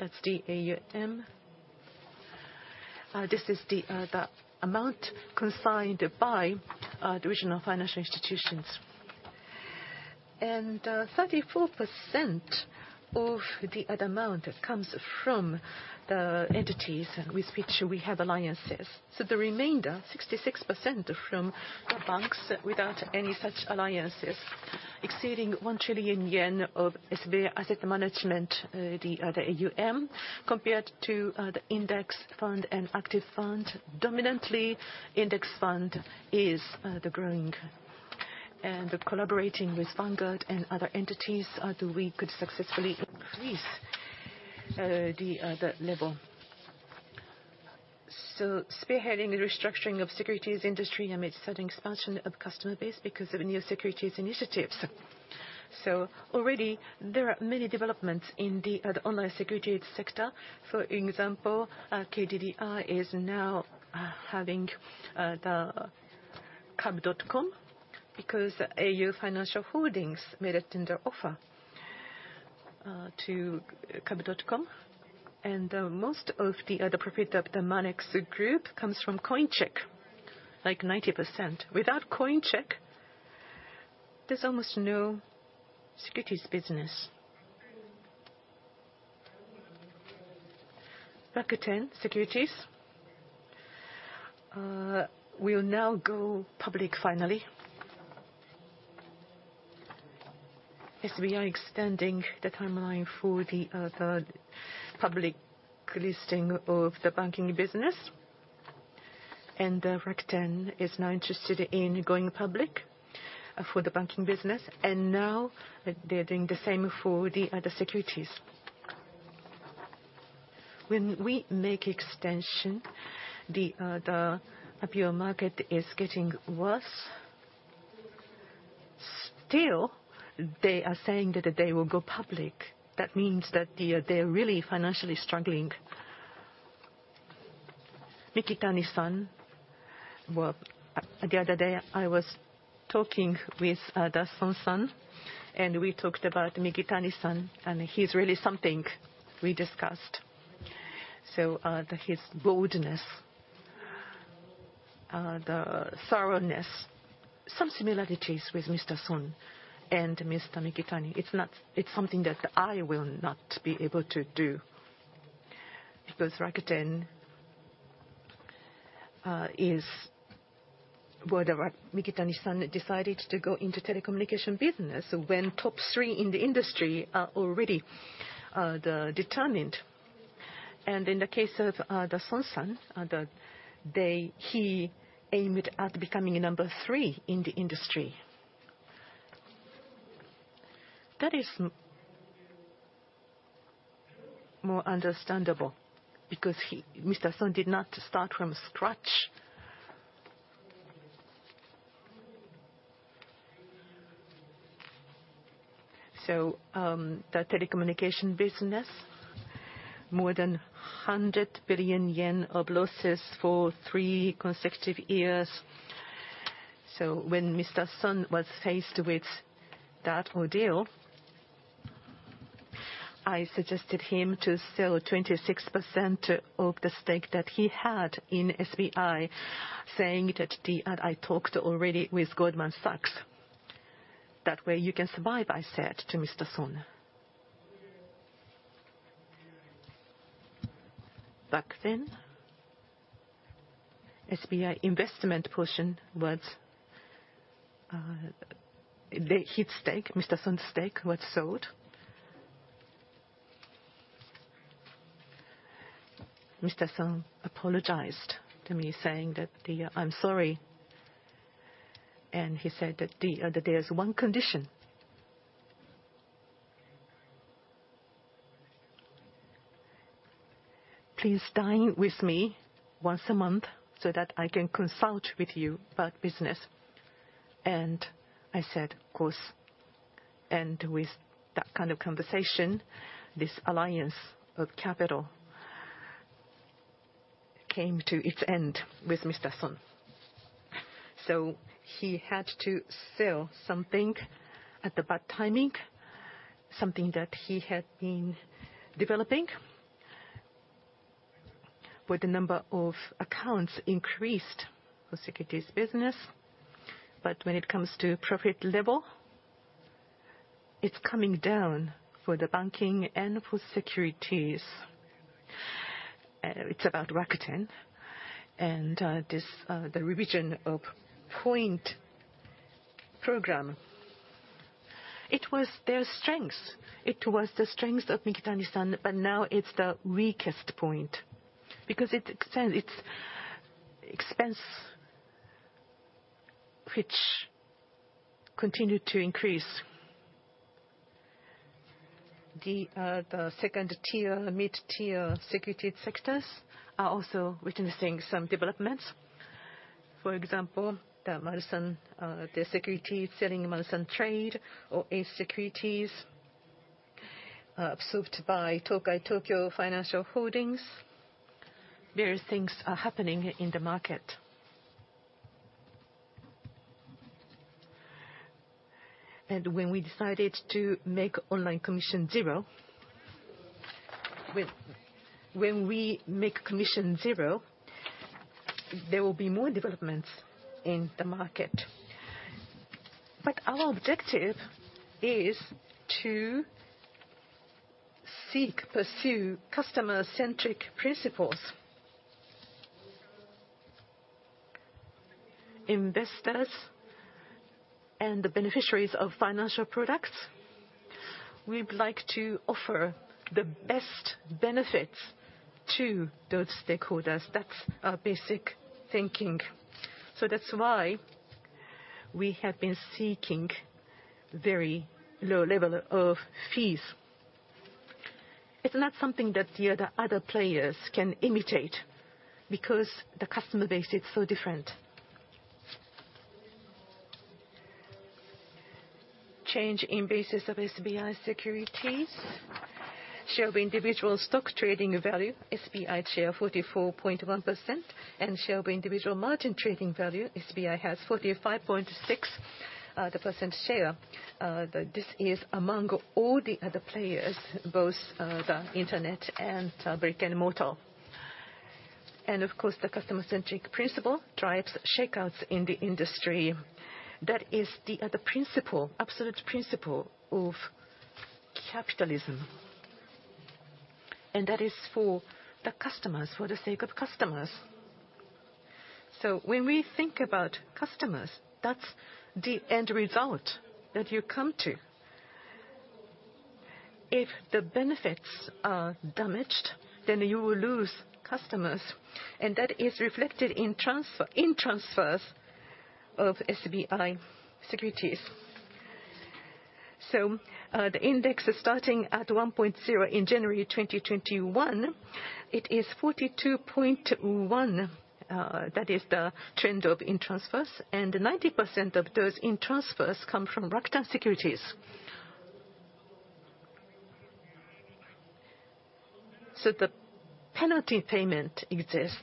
That's the AUM. This is the amount consigned by the regional financial institutions. The 34% of the amount comes from the entities with which we have alliances. The remainder, 66% from the banks without any such alliances, exceeding 1 trillion yen of SBI Asset Management, the AUM. Compared to the index fund and active fund, dominantly index fund is the growing. Collaborating with Vanguard and other entities, that we could successfully increase the level. Spearheading the restructuring of securities industry amidst sudden expansion of customer base because of new securities initiatives. Already there are many developments in the online securities sector. For example, KDDI is now having kabu.com because au Financial Holdings made a tender offer to kabu.com. Most of the profit of the Monex Group comes from Coincheck, like 90%. Without Coincheck, there's almost no securities business. Rakuten Securities will now go public finally. SBI extending the timeline for the public listing of the banking business. Rakuten is now interested in going public for the banking business, and now they're doing the same for the securities. When we make extension, the IPO market is getting worse. Still, they are saying that they will go public. That means that they are really financially struggling. Mikitani-san, well, the other day I was talking with the Son-san, and we talked about Mikitani-san, and he's really something we discussed. His boldness, the thoroughness, some similarities with Mr. Son and Mr. Mikitani. It's something that I will not be able to do. Rakuten is, well, Mikitani-san decided to go into telecommunication business when top three in the industry are already, the, determined. In the case of the Son-san, he aimed at becoming number three in the industry. That is more understandable because he, Mr. Son, did not start from scratch. The telecommunication business, more than 100 billion yen of losses for three consecutive years. When Mr. Son was faced with that ordeal, I suggested him to sell 26% of the stake that he had in SBI, saying that the, I talked already with Goldman Sachs. "That way you can survive," I said to Mr. Son. Back then, SBI investment portion was his stake, Mr. Son's stake was sold. Mr. Son apologized to me saying, "I'm sorry." He said that there's one condition. "Please dine with me once a month so that I can consult with you about business." I said, "Of course." With that kind of conversation, this alliance of capital came to its end with Mr. Son. He had to sell something at the bad timing, something that he had been developing, where the number of accounts increased for securities business. When it comes to profit level, it's coming down for the banking and for securities. It's about Rakuten and the revision of point program. It was their strength. It was the strength of Mikitani-san, but now it's the weakest point because it extends, its expense which continued to increase. The second tier, mid-tier securities sectors are also witnessing some developments. For example, the Matsui, the securities selling E*TRADE or ACE Securities, absorbed by Tokai Tokyo Financial Holdings. Various things are happening in the market. When we decided to make online commission zero, when we make commission zero, there will be more developments in the market. Our objective is to seek, pursue customer-centric principles. Investors and the beneficiaries of financial products, we'd like to offer the best benefits to those stakeholders. That's our basic thinking. That's why we have been seeking very low level of fees. It's not something that the other players can imitate because the customer base is so different. Change in basis of SBI Securities, share of individual stock trading value, SBI share 44.1%, and share of individual margin trading value, SBI has 45.6% share. This is among all the other players, both the internet and brick and mortar. Of course, the customer-centric principle drives shakeouts in the industry. That is the principle, absolute principle of capitalism. That is for the customers, for the sake of customers. When we think about customers, that's the end result that you come to. If the benefits are damaged, then you will lose customers, and that is reflected in transfer, in transfers of SBI Securities. The index is starting at 1.0 in January 2021. It is 42.1, that is the trend of in transfers, and 90% of those in transfers come from Rakuten Securities. The penalty payment exists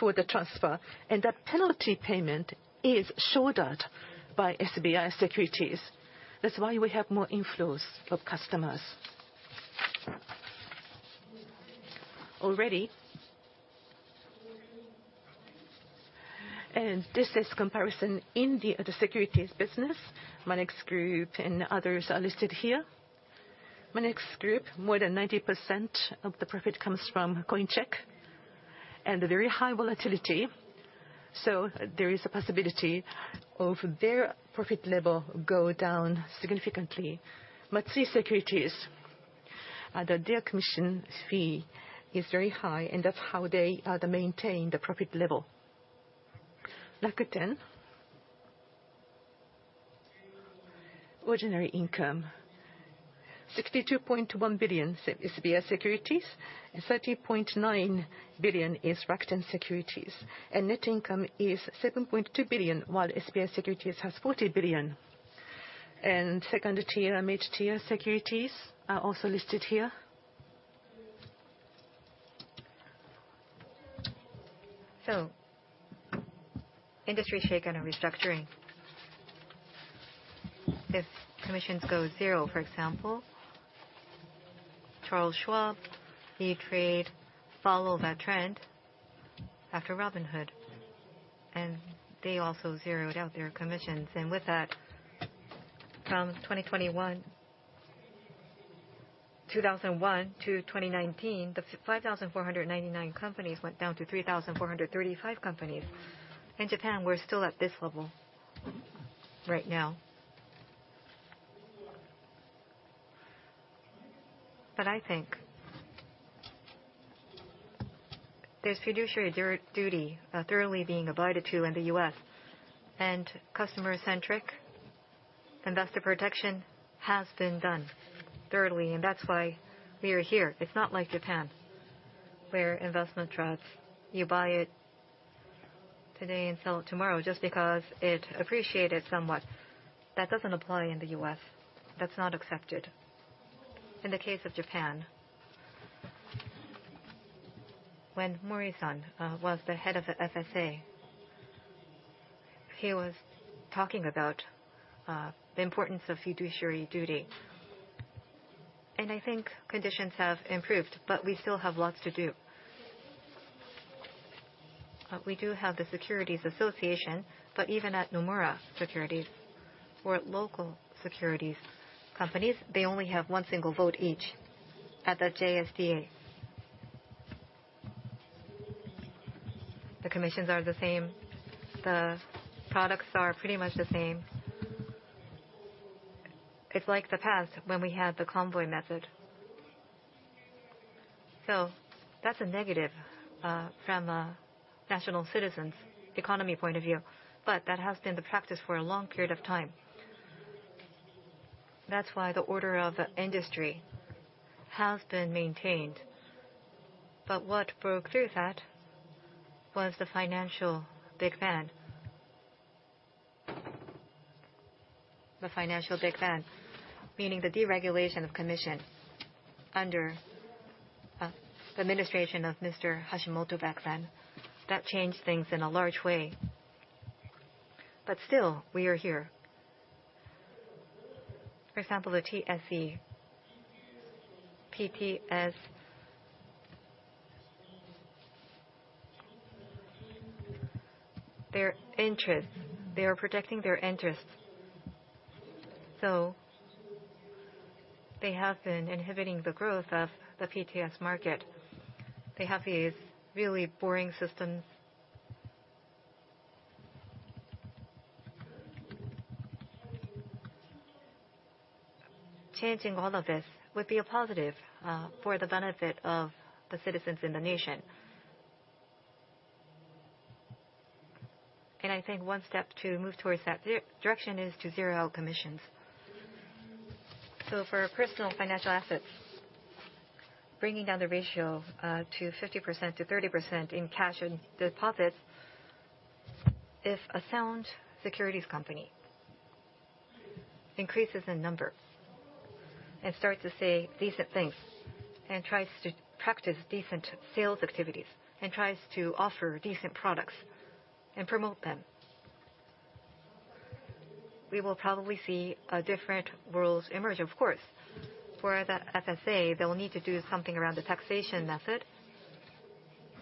for the transfer, and that penalty payment is shouldered by SBI Securities. That's why we have more inflows of customers. This is comparison in the securities business. Monex Group and others are listed here. Monex Group, more than 90% of the profit comes from Coincheck and very high volatility. There is a possibility of their profit level go down significantly. Matsui Securities, their commission fee is very high, and that's how they maintain the profit level. Rakuten, ordinary income, 62.1 billion SBI Securities and 30.9 billion is Rakuten Securities. Net income is 7.2 billion, while SBI Securities has 40 billion. Second-tier, mid-tier securities are also listed here. Industry shake and restructuring. If commissions go zero, for example, Charles Schwab, E*TRADE follow that trend after Robinhood, and they also zeroed out their commissions. With that, from 2001 to 2019, the 5,499 companies went down to 3,435 companies. In Japan, we're still at this level right now. I think there's fiduciary duty thoroughly being abided to in the U.S., and customer-centric investor protection has been done thoroughly, and that's why we are here. It's not like Japan, where investment trusts, you buy it today and sell it tomorrow just because it appreciated somewhat. That doesn't apply in the US. That's not accepted. In the case of Japan, when Mori-san was the head of the FSA, he was talking about the importance of fiduciary duty. I think conditions have improved, but we still have lots to do. We do have the securities association, but even at Nomura Securities or at local securities companies, they only have one single vote each at the JSDA. The commissions are the same, the products are pretty much the same. It's like the past when we had the convoy method. That's a negative from a national citizens economy point of view, but that has been the practice for a long period of time. That's why the order of industry has been maintained. What broke through that was the financial Big Bang. The financial Big Bang, meaning the deregulation of commission under the administration of Mr. Hashimoto back then. That changed things in a large way. Still, we are here. For example, the TSE, PTS. Their interests, they are protecting their interests, so they have been inhibiting the growth of the PTS market. They have these really boring systems. Changing all of this would be a positive for the benefit of the citizens in the nation. I think one step to move towards that direction is to zero commissions. For personal financial assets, bringing down the ratio to 50%-30% in cash and deposits. If a sound securities company increases in number and starts to say decent things, and tries to practice decent sales activities, and tries to offer decent products and promote them, we will probably see a different world emerge. Of course, for the FSA, they will need to do something around the taxation method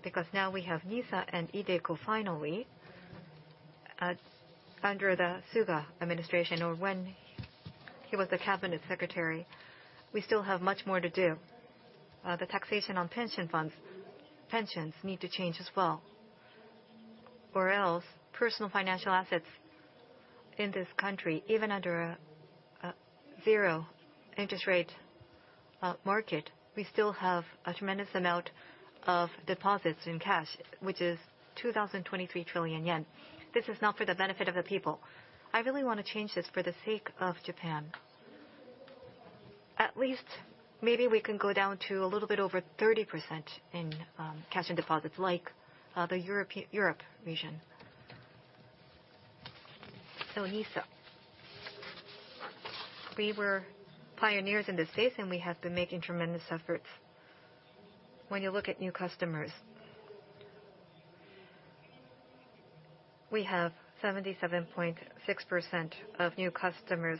because now we have NISA and iDeCo finally, under the Suga administration or when he was the cabinet secretary. We still have much more to do. The taxation on pension funds, pensions need to change as well. Personal financial assets in this country, even under a zero interest rate market, we still have a tremendous amount of deposits in cash, which is 2,023 trillion yen. This is not for the benefit of the people. I really wanna change this for the sake of Japan. At least maybe we can go down to a little bit over 30% in cash and deposits like the European region. NISA. We were pioneers in this space, and we have been making tremendous efforts. When you look at new customers, we have 77.6% of new customers,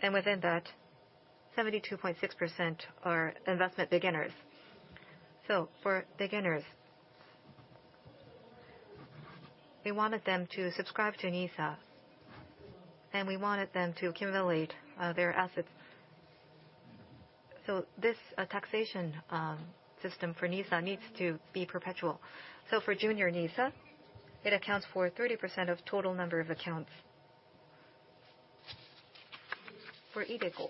and within that, 72.6% are investment beginners. For beginners, we wanted them to subscribe to NISA, and we wanted them to accumulate their assets. This taxation system for NISA needs to be perpetual. For Junior NISA, it accounts for 30% of total number of accounts. For iDeCo,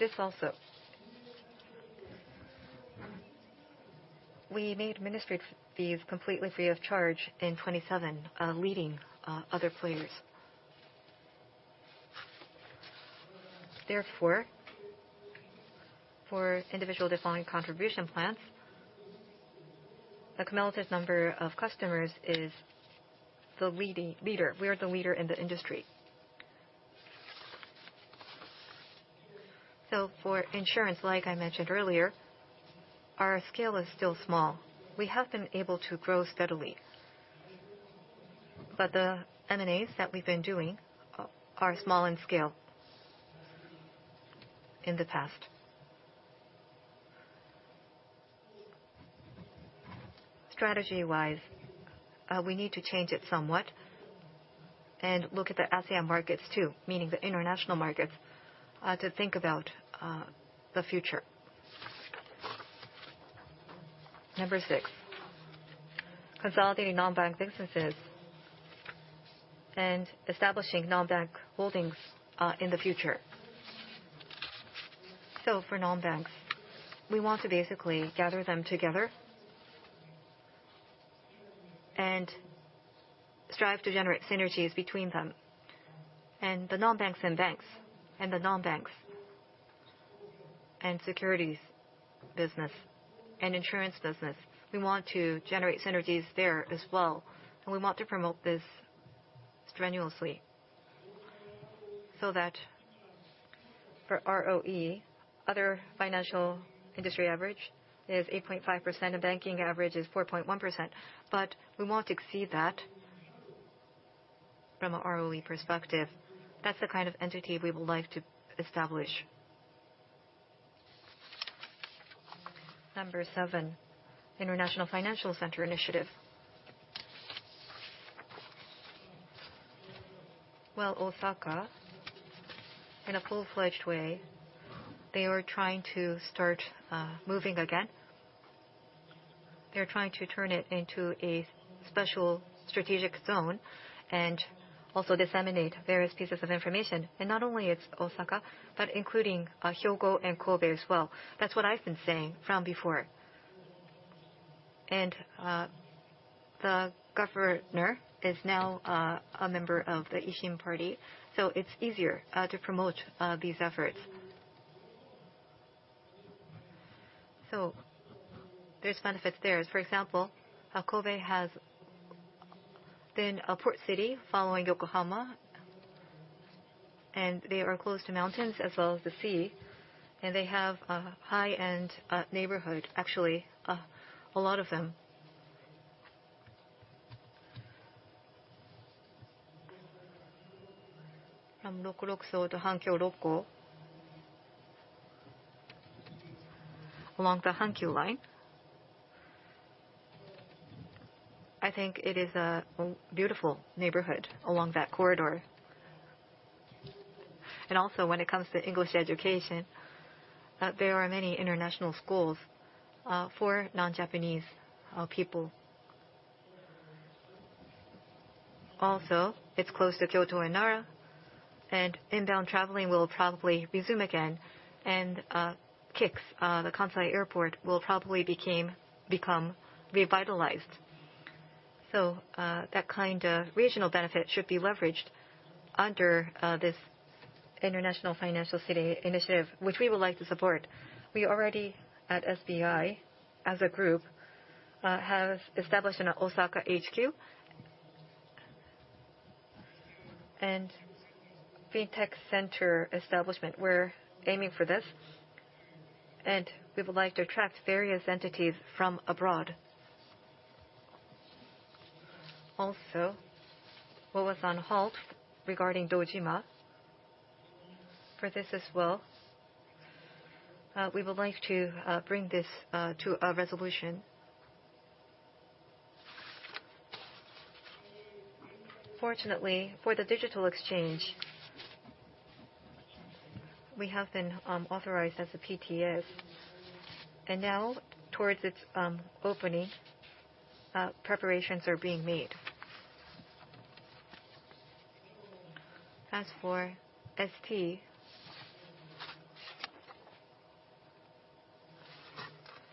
this also. We made administrative fees completely free of charge ahead of 27 leading other players. Therefore, for individual defined contribution plans, the cumulative number of customers is the leader. We are the leader in the industry. For insurance, like I mentioned earlier, our scale is still small. We have been able to grow steadily, but the M&As that we've been doing are small in scale in the past. Strategy-wise, we need to change it somewhat and look at the ASEAN markets too, meaning the international markets, to think about the future. Number six, consolidating non-bank businesses and establishing non-bank holdings in the future. For non-banks, we want to basically gather them together and strive to generate synergies between them. The non-banks and banks, securities business, and insurance business, we want to generate synergies there as well, and we want to promote this strenuously so that for ROE, other financial industry average is 8.5% and banking average is 4.1%. But we want to exceed that from a ROE perspective. That's the kind of entity we would like to establish. Number seven, international financial center initiative. Well, Osaka, in a full-fledged way, they are trying to start moving again. They're trying to turn it into a special strategic zone and also disseminate various pieces of information. Not only it's Osaka, but including Hyogo and Kobe as well. That's what I've been saying from before. The governor is now a member of the Ishin Party, so it's easier to promote these efforts. There's benefits there. For example, Kobe has been a port city following Yokohama, and they are close to mountains as well as the sea, and they have a high-end neighborhood, actually, a lot of them. From Rokko Station to Hankyu Rokko along the Hankyu line. I think it is a beautiful neighborhood along that corridor. When it comes to English education, there are many international schools for non-Japanese people. It's close to Kyoto and Nara, and inbound traveling will probably resume again, and KIX, the Kansai airport will probably become revitalized. That kind of regional benefit should be leveraged under this international financial city initiative, which we would like to support. We already, at SBI as a group, have established an Osaka HQ. FinTech Center establishment, we're aiming for this, and we would like to attract various entities from abroad. Also, what was on halt regarding Dojima, for this as well, we would like to bring this to a resolution. Fortunately, for the digital exchange, we have been authorized as a PTS. Now towards its opening, preparations are being made. As for ST,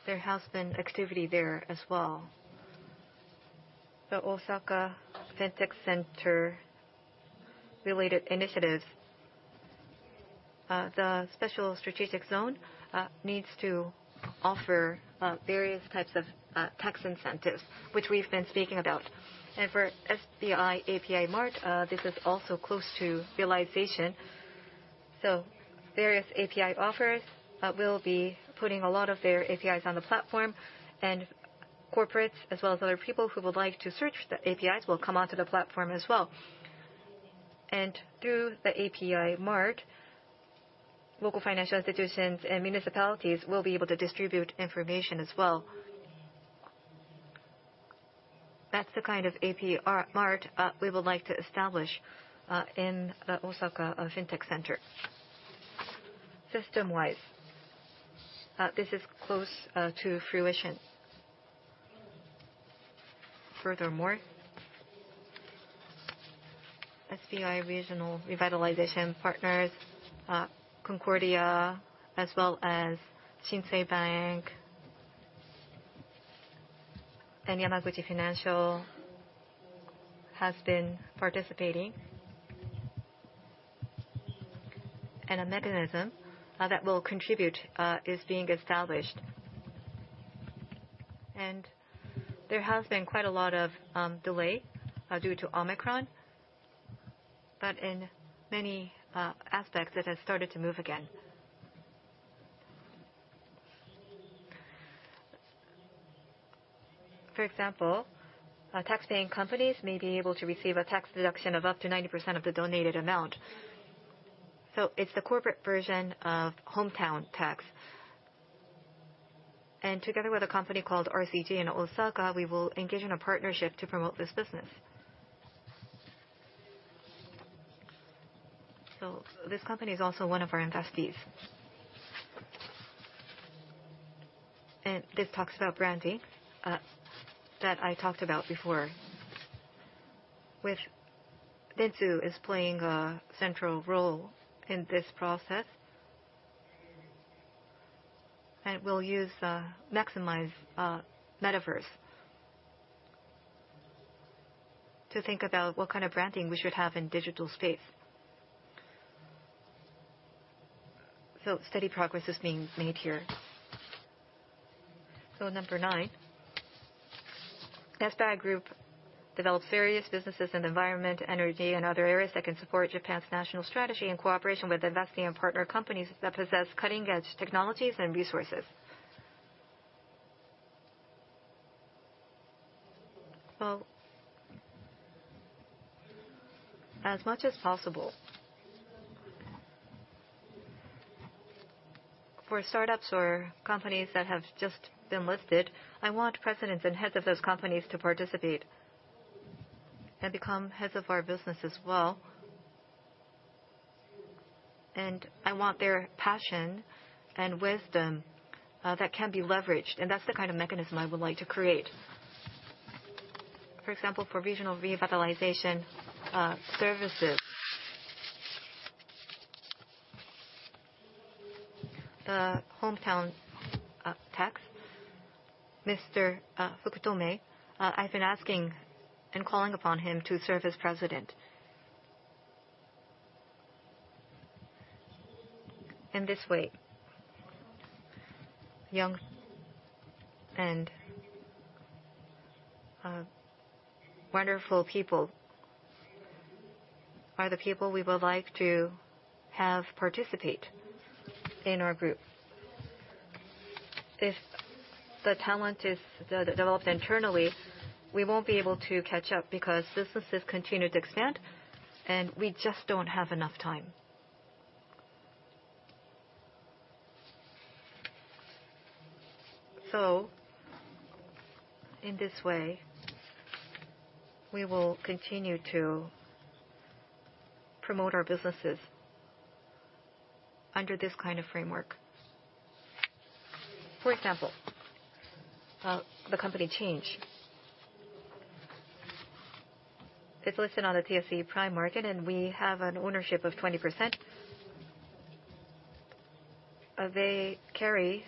there has been activity there as well. The Osaka FinTech Center related initiatives, the special strategic zone, needs to offer various types of tax incentives, which we've been speaking about. For SBI API Mart, this is also close to realization. Various API offers will be putting a lot of their APIs on the platform, and corporates as well as other people who would like to search the APIs will come onto the platform as well. Through the API Mart, local financial institutions and municipalities will be able to distribute information as well. That's the kind of API Mart we would like to establish in the Osaka FinTech Center. System-wise, this is close to fruition. Furthermore, SBI Regional Revitalization Partners, Concordia Financial Group, as well as SBI Shinsei Bank and Yamaguchi Financial Group has been participating. A mechanism that will contribute is being established. There has been quite a lot of delay due to Omicron, but in many aspects, it has started to move again. For example, tax-paying companies may be able to receive a tax deduction of up to 90% of the donated amount. It's the corporate version of hometown tax. Together with a company called RCG in Osaka, we will engage in a partnership to promote this business. This company is also one of our investees. This talks about branding that I talked about before, which Dentsu is playing a central role in this process. We'll use, maximize, the metaverse to think about what kind of branding we should have in digital space. Steady progress is being made here. Number nine, SBI Group develops various businesses in environment, energy, and other areas that can support Japan's national strategy in cooperation with investing in partner companies that possess cutting-edge technologies and resources. Well, as much as possible for startups or companies that have just been listed, I want presidents and heads of those companies to participate and become heads of our business as well. I want their passion and wisdom that can be leveraged, and that's the kind of mechanism I would like to create. For example, for regional revitalization services. The hometown tax, Mr. Fukutome, I've been asking and calling upon him to serve as president. In this way, young and wonderful people are the people we would like to have participate in our group. If the talent is developed internally, we won't be able to catch up because businesses continue to expand, and we just don't have enough time. In this way, we will continue to promote our businesses under this kind of framework. For example, the company CHANGE. It's listed on the TSE Prime Market, and we have an ownership of 20%. They carry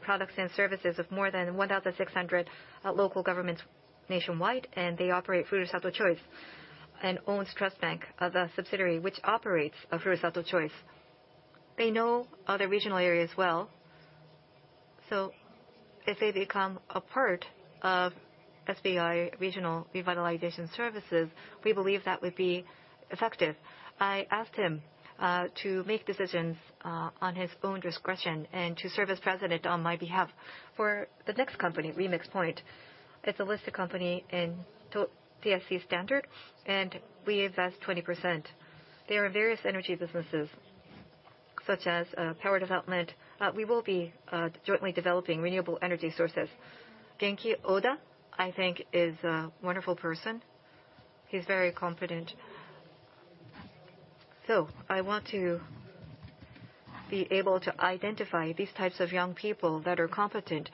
products and services of more than 1,600 local governments nationwide, and they operate Furusato Choice and owns TRUSTBANK, the subsidiary which operates Furusato Choice. They know other regional areas well, so if they become a part of SBI Regional Revitalization Services, we believe that would be effective. I asked him to make decisions on his own discretion and to serve as president on my behalf. For the next company, Remixpoint, it's a listed company in TSE Standard, and we invest 20%. There are various energy businesses such as power development. We will be jointly developing renewable energy sources. Genki Oda, I think, is a wonderful person. He's very competent. I want to be able to identify these types of young people that are competent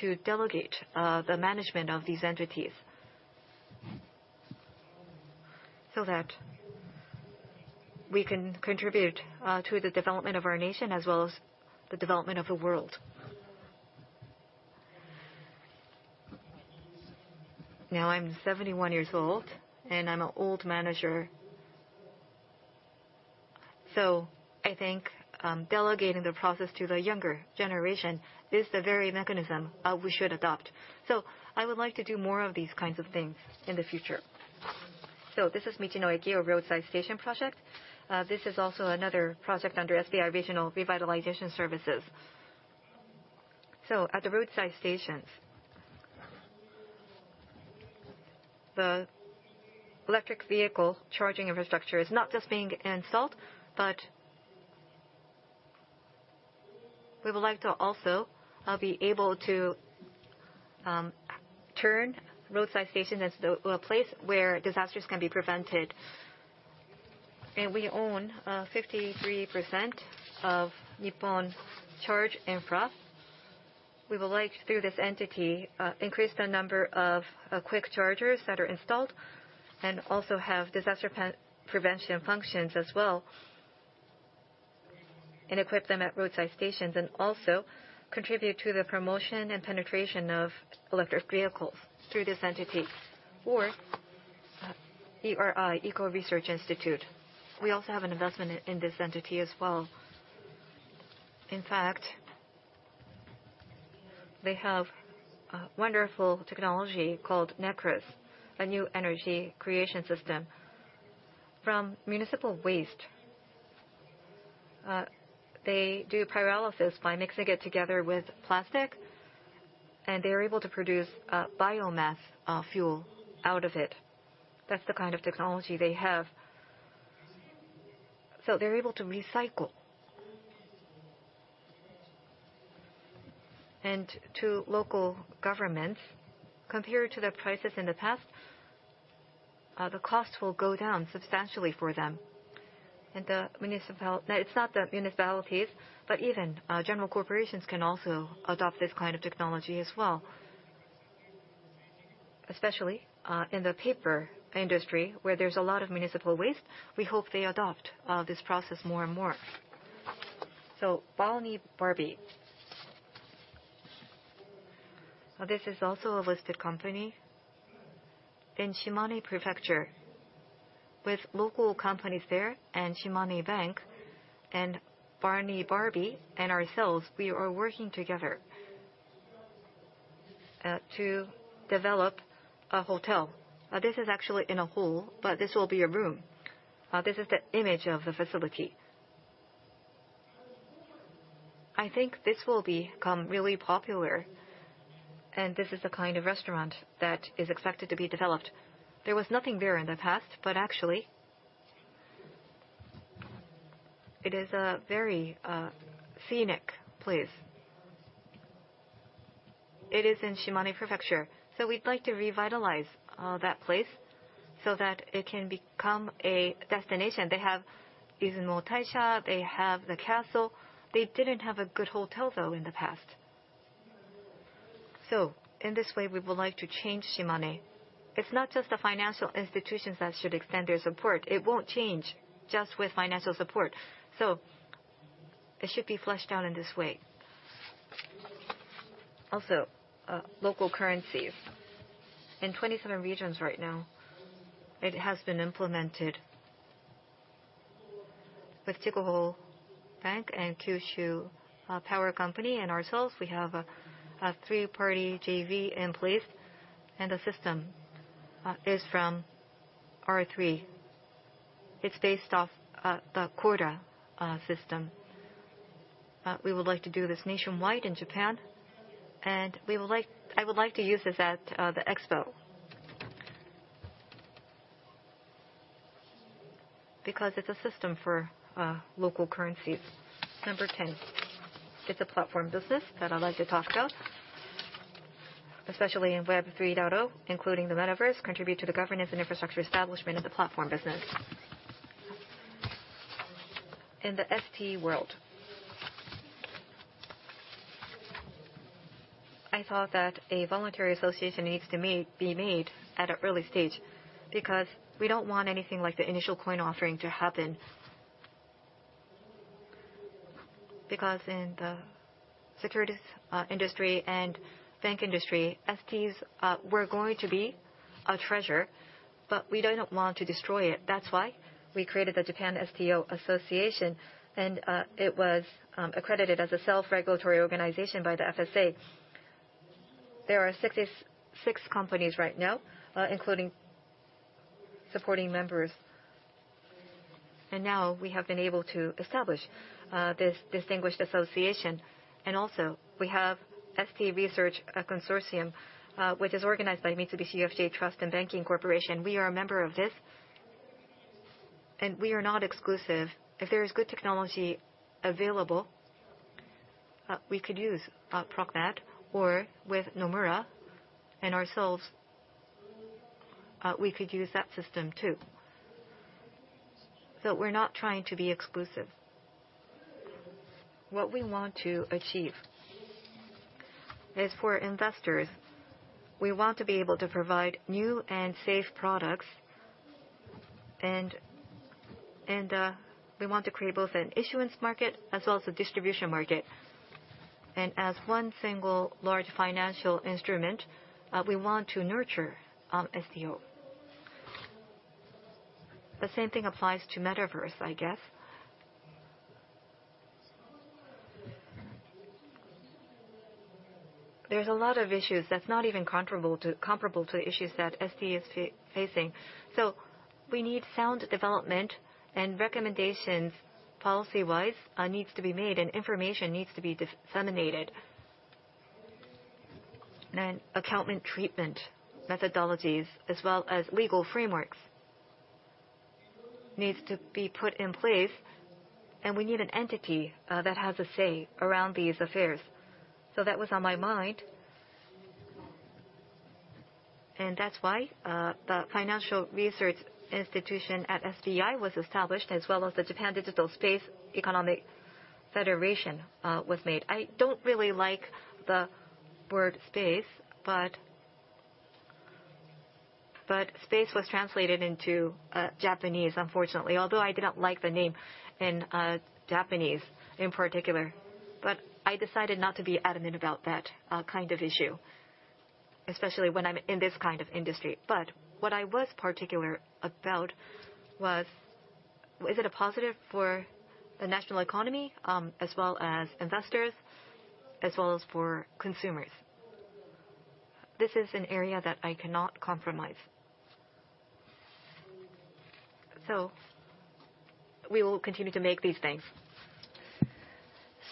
to delegate the management of these entities. That we can contribute to the development of our nation as well as the development of the world. Now I'm 71 years old, and I'm an old manager. I think delegating the process to the younger generation is the very mechanism we should adopt. I would like to do more of these kinds of things in the future. This is Michi-no-Eki Roadside Station project. This is also another project under SBI Regional Revitalization Services. At the roadside stations, the electric vehicle charging infrastructure is not just being installed, but we would like to also be able to turn roadside stations as a place where disasters can be prevented. We own 53% of Nippon Charge Infra. We would like, through this entity, increase the number of quick chargers that are installed and also have disaster prevention functions as well, and equip them at roadside stations, and also contribute to the promotion and penetration of electric vehicles through this entity. ERI, Eco Research Institute. We also have an investment in this entity as well. In fact, they have a wonderful technology called NECRIS, a new energy creation system. From municipal waste, they do pyrolysis by mixing it together with plastic, and they're able to produce biomass fuel out of it. That's the kind of technology they have. They're able to recycle. To local governments, compared to the prices in the past, the cost will go down substantially for them. It's not the municipalities, but even general corporations can also adopt this kind of technology as well. Especially in the paper industry, where there's a lot of municipal waste, we hope they adopt this process more and more. BALNIBARBI, this is also a listed company in Shimane Prefecture. With local companies there and Shimane Bank and BALNIBARBI and ourselves, we are working together to develop a hotel. This is actually in a hall, but this will be a room. This is the image of the facility. I think this will become really popular. This is the kind of restaurant that is expected to be developed. There was nothing there in the past, but actually, it is a very scenic place. It is in Shimane Prefecture. We'd like to revitalize that place so that it can become a destination. They have Izumo Taisha, they have the castle. They didn't have a good hotel though in the past. In this way, we would like to change Shimane. It's not just the financial institutions that should extend their support. It won't change just with financial support. It should be fleshed out in this way. Also, local currencies. In 27 regions right now, it has been implemented. With Taiko Bank and Kyushu Electric Power Company and ourselves, we have a three-party JV in place, and the system is from R3. It's based off the Corda system. We would like to do this nationwide in Japan, and I would like to use this at the Expo. Because it's a system for local currencies. Number 10, it's a platform business that I'd like to talk about. Especially in Web 3.0, including the Metaverse, contribute to the governance and infrastructure establishment of the platform business. In the ST world, I thought that a voluntary association needs to be made at an early stage because we don't want anything like the initial coin offering to happen. Because in the securities industry and bank industry, STs were going to be a treasure, but we do not want to destroy it. That's why we created the Japan STO Association, and it was accredited as a self-regulatory organization by the FSA. There are 66 companies right now, including supporting members. Now we have been able to establish this distinguished association. Also, we have ST Research Consortium, which is organized by Mitsubishi UFJ Trust and Banking Corporation. We are a member of this, and we are not exclusive. If there is good technology available, we could use Progmat or with Nomura and ourselves, we could use that system too. We're not trying to be exclusive. What we want to achieve is for investors, we want to be able to provide new and safe products and, we want to create both an issuance market as well as a distribution market. As one single large financial instrument, we want to nurture STO. The same thing applies to Metaverse, I guess. There's a lot of issues that's not even comparable to comparable to issues that STO is facing. We need sound development and recommendations policy-wise needs to be made, and information needs to be disseminated. Accounting treatment methodologies as well as legal frameworks need to be put in place, and we need an entity that has a say around these affairs. That was on my mind, and that's why the Financial Research Institution at SBI was established, as well as the Japan Digital Economy Federation was made. I don't really like the word space, but space was translated into Japanese, unfortunately. Although I did not like the name in Japanese in particular, but I decided not to be adamant about that kind of issue, especially when I'm in this kind of industry. But what I was particular about was, is it a positive for the national economy, as well as investors, as well as for consumers? This is an area that I cannot compromise. We will continue to make these things.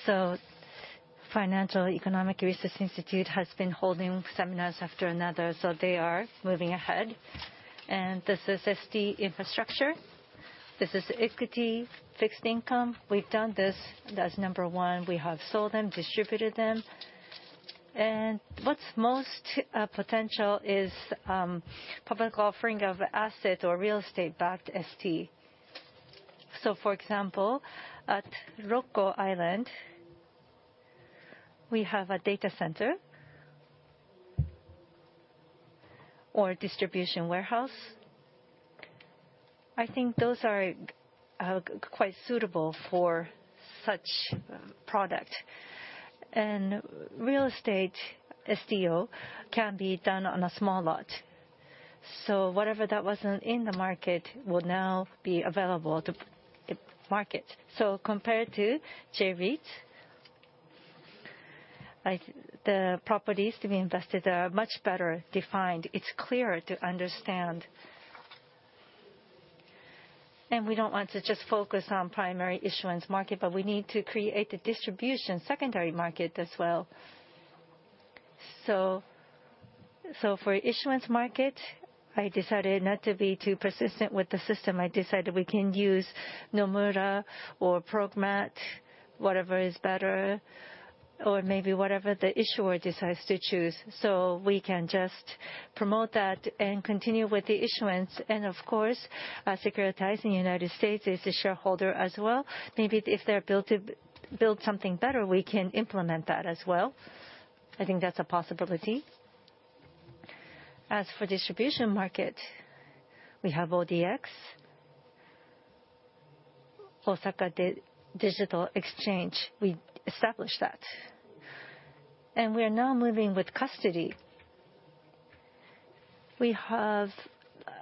SBI Financial and Economic Research Institute has been holding seminars one after another, so they are moving ahead. This is ST infrastructure. This is equity fixed income. We've done this. That's number one. We have sold them, distributed them. What's most potential is public offering of asset or real estate-backed ST. For example, at Rokko Island, we have a data center or distribution warehouse. I think those are quite suitable for such product. Real estate STO can be done on a small lot. Whatever that wasn't in the market will now be available to the market. Compared to J-REIT, like, the properties to be invested are much better defined. It's clearer to understand. We don't want to just focus on primary issuance market, but we need to create the distribution secondary market as well. For issuance market, I decided not to be too persistent with the system. I decided we can use Nomura or Progmat, whatever is better, or maybe whatever the issuer decides to choose. We can just promote that and continue with the issuance. Of course, SBI Securities in United States is a shareholder as well. Maybe if they build something better, we can implement that as well. I think that's a possibility. As for distribution market, we have ODX, Osaka Digital Exchange. We established that. We are now moving with custody. We have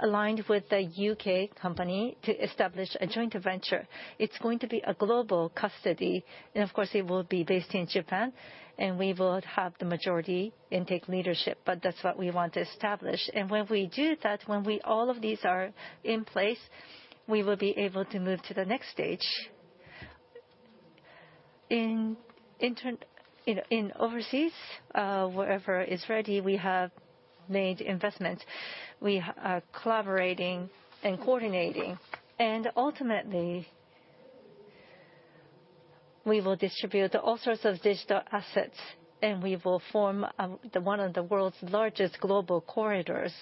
aligned with a U.K. company to establish a joint venture. It's going to be a global custody, and of course, it will be based in Japan, and we will have the majority and take leadership. That's what we want to establish. When we do that, when all of these are in place, we will be able to move to the next stage. In overseas, wherever is ready, we have made investments. We are collaborating and coordinating, and ultimately, we will distribute all sorts of digital assets, and we will form the one of the world's largest global corridors.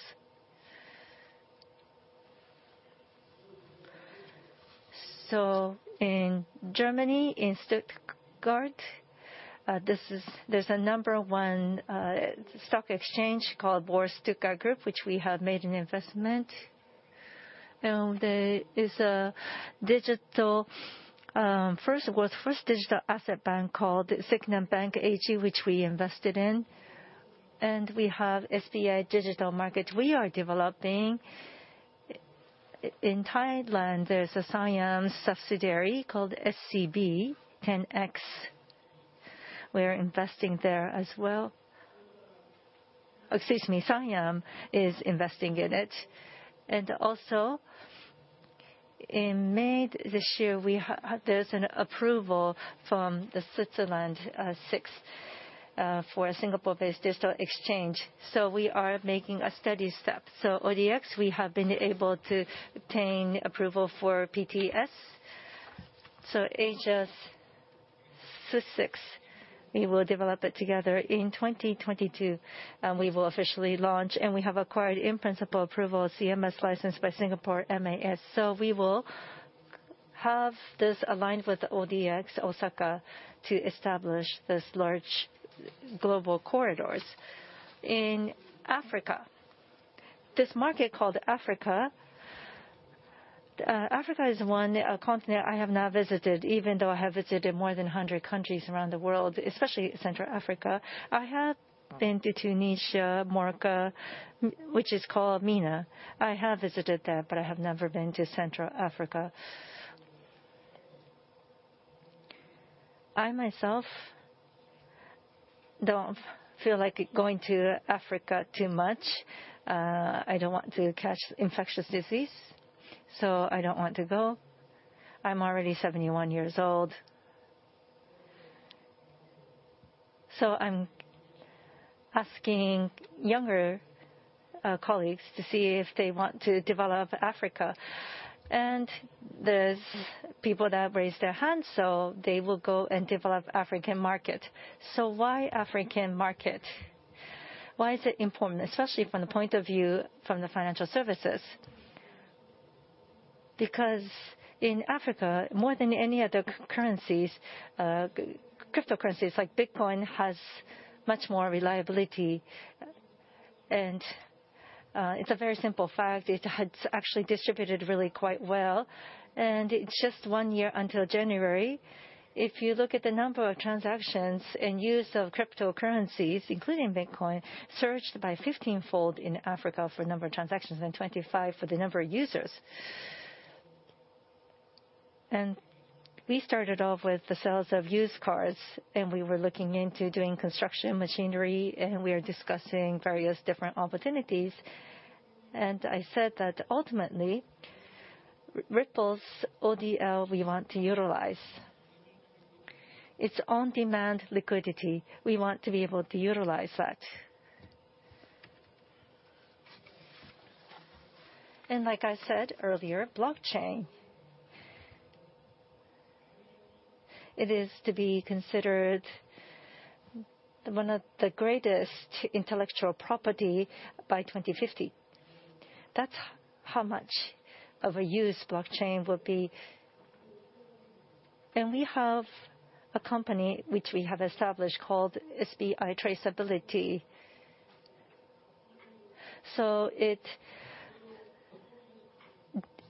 In Germany, in Stuttgart, there's a number one stock exchange called Boerse Stuttgart Group, which we have made an investment. There is a digital, first digital asset bank called Sygnum Bank AG, which we invested in. We have SBI Digital Markets we are developing. In Thailand, there's a Siam subsidiary called SCB 10X. We're investing there as well. Excuse me, Siam is investing in it. In May this year, there's an approval from the Swiss SIX for a Singapore-based digital exchange. We are making a steady step. ODX, we have been able to obtain approval for PTS. Asia's SIX, we will develop it together in 2022, and we will officially launch. We have acquired in-principle approval CMS license by Singapore MAS. We will have this aligned with ODX Osaka to establish this large global corridor. In Africa, this market called Africa is one continent I have not visited, even though I have visited more than 100 countries around the world, especially Central Africa. I have been to Tunisia, Morocco, which is called MENA. I have visited there, but I have never been to Central Africa. I myself don't feel like going to Africa too much. I don't want to catch infectious disease, so I don't want to go. I'm already 71 years old. I'm asking younger colleagues to see if they want to develop Africa. There's people that raise their hands, so they will go and develop African market. Why African market? Why is it important, especially from the point of view from the financial services? Because in Africa, more than any other currencies, cryptocurrencies like Bitcoin has much more reliability. It's a very simple fact. It has actually distributed really quite well. It's just one year until January. If you look at the number of transactions and use of cryptocurrencies, including Bitcoin, surged by 15-fold in Africa for number of transactions and 25-fold for the number of users. We started off with the sales of used cars, and we were looking into doing construction machinery, and we are discussing various different opportunities. I said that ultimately, Ripple's ODL we want to utilize. Its on-demand liquidity, we want to be able to utilize that. Like I said earlier, blockchain. It is to be considered one of the greatest intellectual property by 2050. That's how much of a use blockchain will be. We have a company which we have established called SBI Traceability. It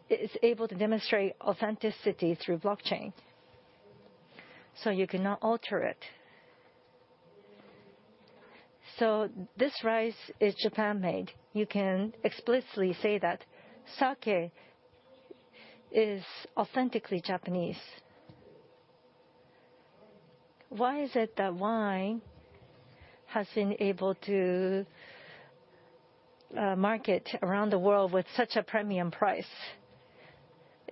is able to demonstrate authenticity through blockchain, so you cannot alter it. This rice is Japan-made. You can explicitly say that sake is authentically Japanese. Why is it that wine has been able to market around the world with such a premium price?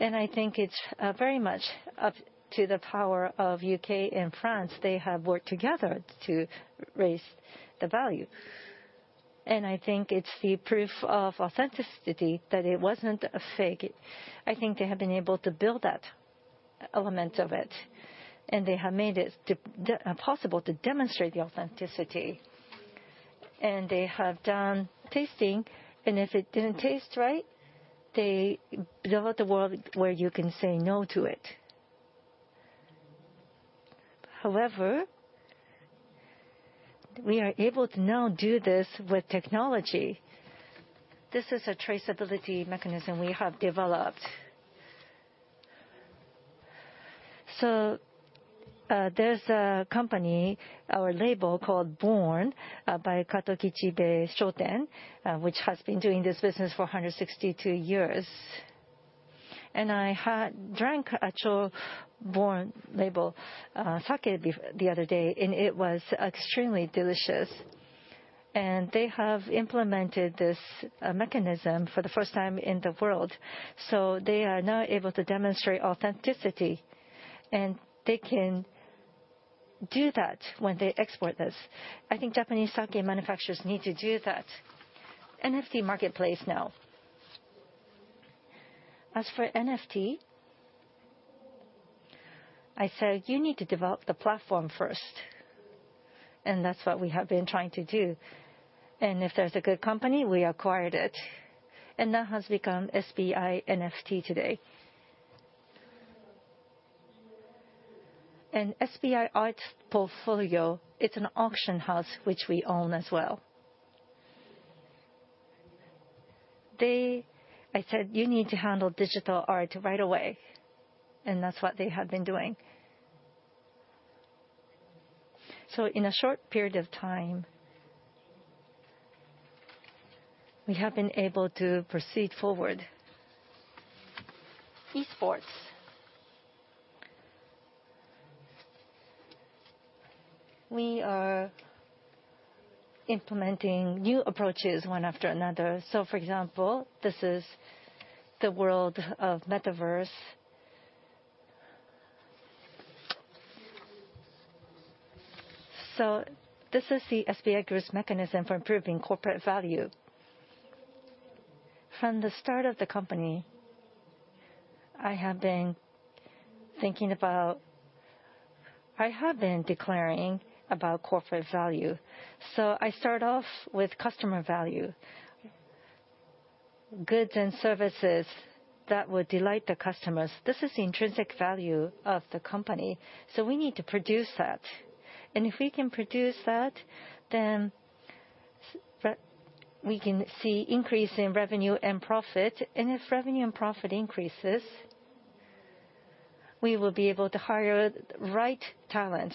I think it's very much up to the power of U.K. and France. They have worked together to raise the value. I think it's the proof of authenticity that it wasn't a fake. I think they have been able to build that element of it, and they have made it possible to demonstrate the authenticity. They have done tasting, and if it didn't taste right, they built a world where you can say no to it. However, we are able to now do this with technology. This is a traceability mechanism we have developed. There's a company, our label called BORN, by Katoukichibee Shouten, which has been doing this business for 162 years. I had drank a Cho-Gin BORN label, sake the other day, and it was extremely delicious. They have implemented this mechanism for the first time in the world, so they are now able to demonstrate authenticity, and they can do that when they export this. I think Japanese sake manufacturers need to do that. NFT marketplace now. As for NFT, I said, "You need to develop the platform first," and that's what we have been trying to do. If there's a good company, we acquired it, and that has become SBINFT today. SBI Art Auction portfolio, it's an auction house which we own as well. I said, "You need to handle digital art right away," and that's what they have been doing. In a short period of time, we have been able to proceed forward. E-Sports. We are implementing new approaches one after another. For example, this is the world of Metaverse. This is the SBI Group's mechanism for improving corporate value. From the start of the company, I have been declaring about corporate value. I start off with customer value. Goods and services that would delight the customers, this is the intrinsic value of the company, so we need to produce that. If we can produce that, then we can see increase in revenue and profit. If revenue and profit increases, we will be able to hire the right talent.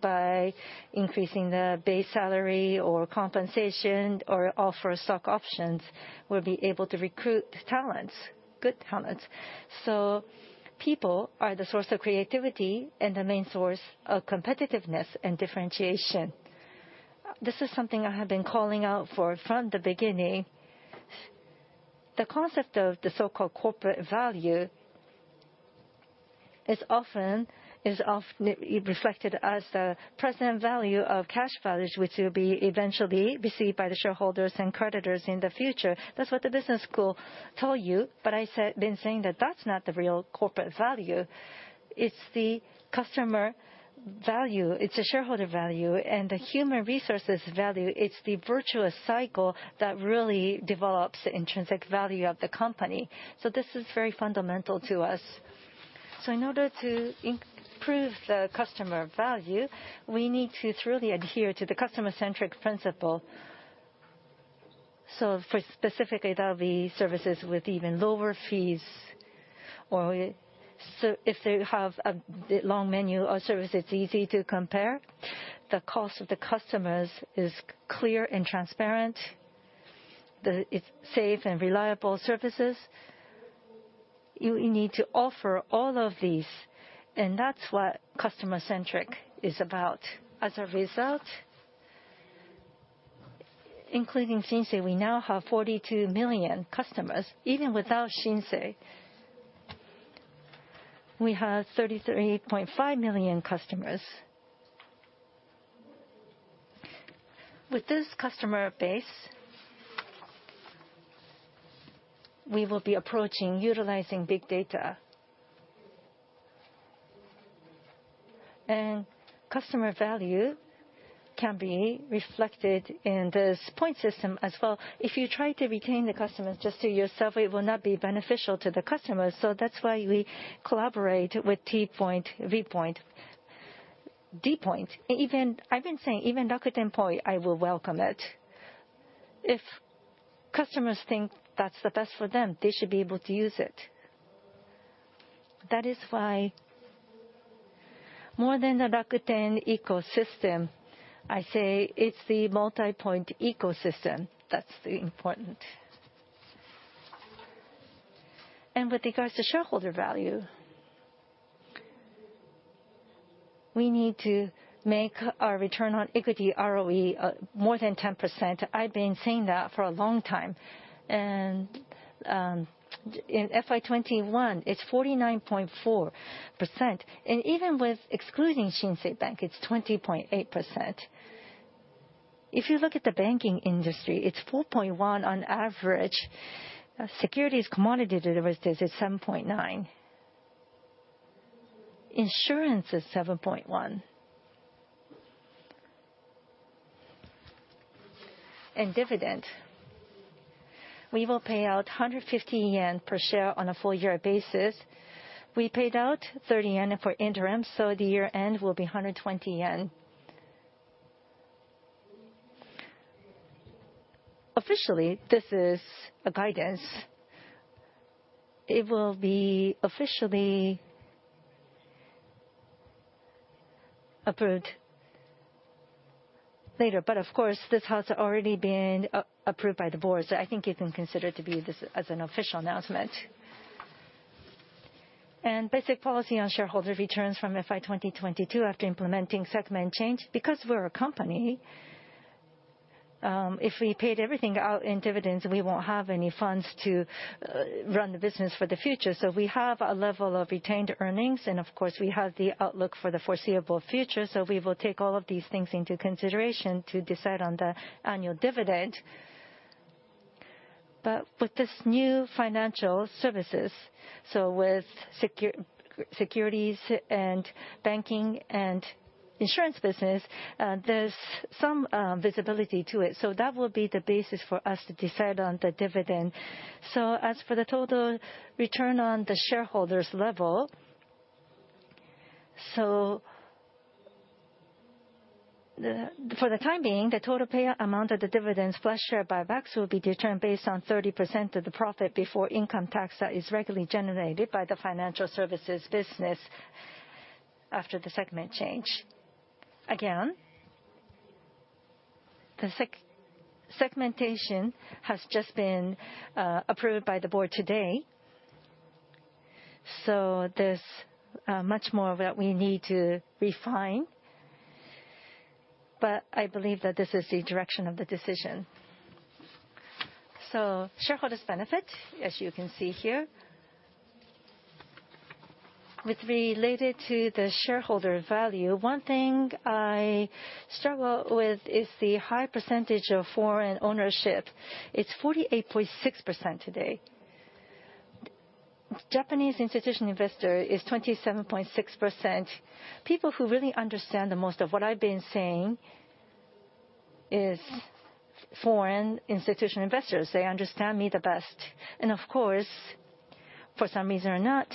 By increasing the base salary or compensation or offer stock options, we'll be able to recruit talents, good talents. People are the source of creativity and the main source of competitiveness and differentiation. This is something I have been calling out for from the beginning. The concept of the so-called corporate value is often reflected as the present value of cash values, which will be eventually received by the shareholders and creditors in the future. That's what the business school told you. But I said, "They're saying that that's not the real corporate value." It's the customer value, it's the shareholder value, and the human resources value. It's the virtuous cycle that really develops the intrinsic value of the company. This is very fundamental to us. In order to improve the customer value, we need to truly adhere to the customer-centric principle. For specifically, that'll be services with even lower fees, or so if they have a long menu or service that's easy to compare, the cost to the customers is clear and transparent. It's safe and reliable services. You need to offer all of these, and that's what customer-centric is about. As a result, including Shinsei, we now have 42 million customers. Even without Shinsei, we have 33.5 million customers. With this customer base, we will be approaching utilizing big data. Customer value can be reflected in this point system as well. If you try to retain the customers just to yourself, it will not be beneficial to the customers. That's why we collaborate with T-Point, V-Point, d POINT. Even, I've been saying, even Rakuten Point, I will welcome it. If customers think that's the best for them, they should be able to use it. That is why more than the Rakuten Ecosystem, I say it's the multi-point ecosystem that's important. With regards to shareholder value, we need to make our return on equity ROE more than 10%. I've been saying that for a long time. In FY 2021, it's 49.4%. Even with excluding Shinsei Bank, it's 20.8%. If you look at the banking industry, it's 4.1% on average. Securities commodity derivatives is 7.9%. Insurance is 7.1%. Dividend, we will pay out 150 yen per share on a full year basis. We paid out 30 yen per share for interim, so the year-end will be 120 yen per share. Officially, this is a guidance. It will be officially approved later, but of course, this has already been approved by the board. So I think you can consider to be this as an official announcement. Basic policy on shareholder returns from FY 2022 after implementing segment change, because we're a company, if we paid everything out in dividends, we won't have any funds to run the business for the future. We have a level of retained earnings, and of course, we have the outlook for the foreseeable future. We will take all of these things into consideration to decide on the annual dividend. With this new financial services, so with securities and banking and insurance business, there's some visibility to it. That will be the basis for us to decide on the dividend. As for the total return on the shareholders' level, for the time being, the total payout amount of the dividends plus share buybacks will be determined based on 30% of the profit before income tax that is regularly generated by the financial services business after the segment change. Again, the segmentation has just been approved by the board today, so there's much more that we need to refine, but I believe that this is the direction of the decision. Shareholders' benefit, as you can see here, with related to the shareholder value, one thing I struggle with is the high percentage of foreign ownership. It's 48.6% today. Japanese institutional investor is 27.6%. People who really understand the most of what I've been saying is foreign institutional investors. They understand me the best. Of course, for some reason or not,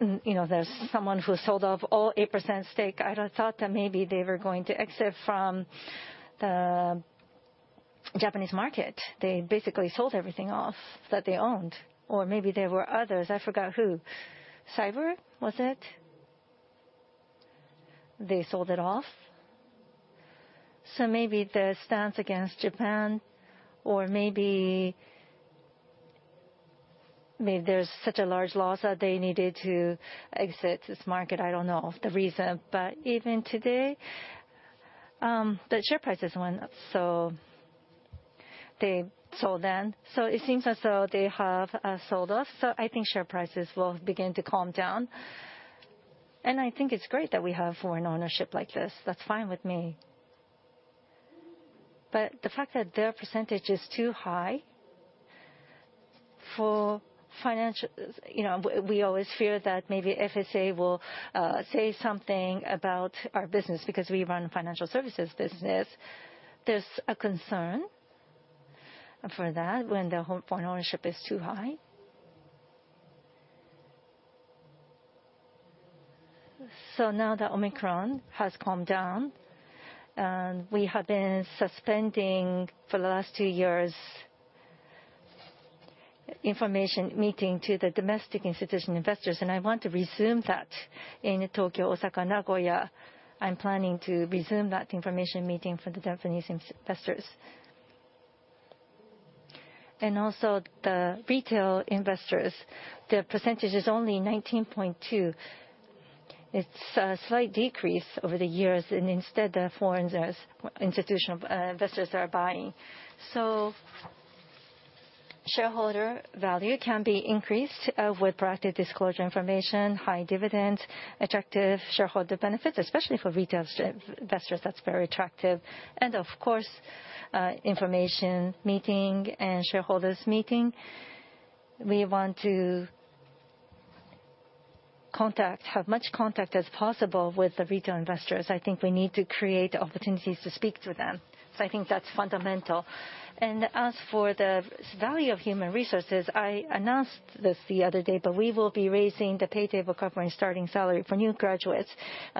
you know, there's someone who sold off all 8% stake. I'd have thought that maybe they were going to exit from the Japanese market. They basically sold everything off that they owned. Maybe there were others, I forgot who. Cybereason, was it? They sold it off. Maybe the stance against Japan, or maybe there's such a large loss that they needed to exit this market. I don't know the reason. Even today, the share prices went up, so they sold then. It seems as though they have sold us. I think share prices will begin to calm down. I think it's great that we have foreign ownership like this. That's fine with me. The fact that their percentage is too high for financial, you know, we always fear that maybe FSA will say something about our business because we run a financial services business. There's a concern for that when the foreign ownership is too high. Now that Omicron has calmed down, and we have been suspending for the last two years information meeting to the domestic institutional investors, and I want to resume that in Tokyo, Osaka, Nagoya. I'm planning to resume that information meeting for the Japanese investors. The retail investors, their percentage is only 19.2%. It's a slight decrease over the years, and instead, the foreign institutional investors are buying. Shareholder value can be increased with proactive disclosure information, high dividends, attractive shareholder benefits, especially for retail investors, that's very attractive. Of course, information meeting and shareholders meeting. We want to contact, have much contact as possible with the retail investors. I think we need to create opportunities to speak to them. I think that's fundamental. As for the value of human resources, I announced this the other day, but we will be raising the pay table covering starting salary for new graduates.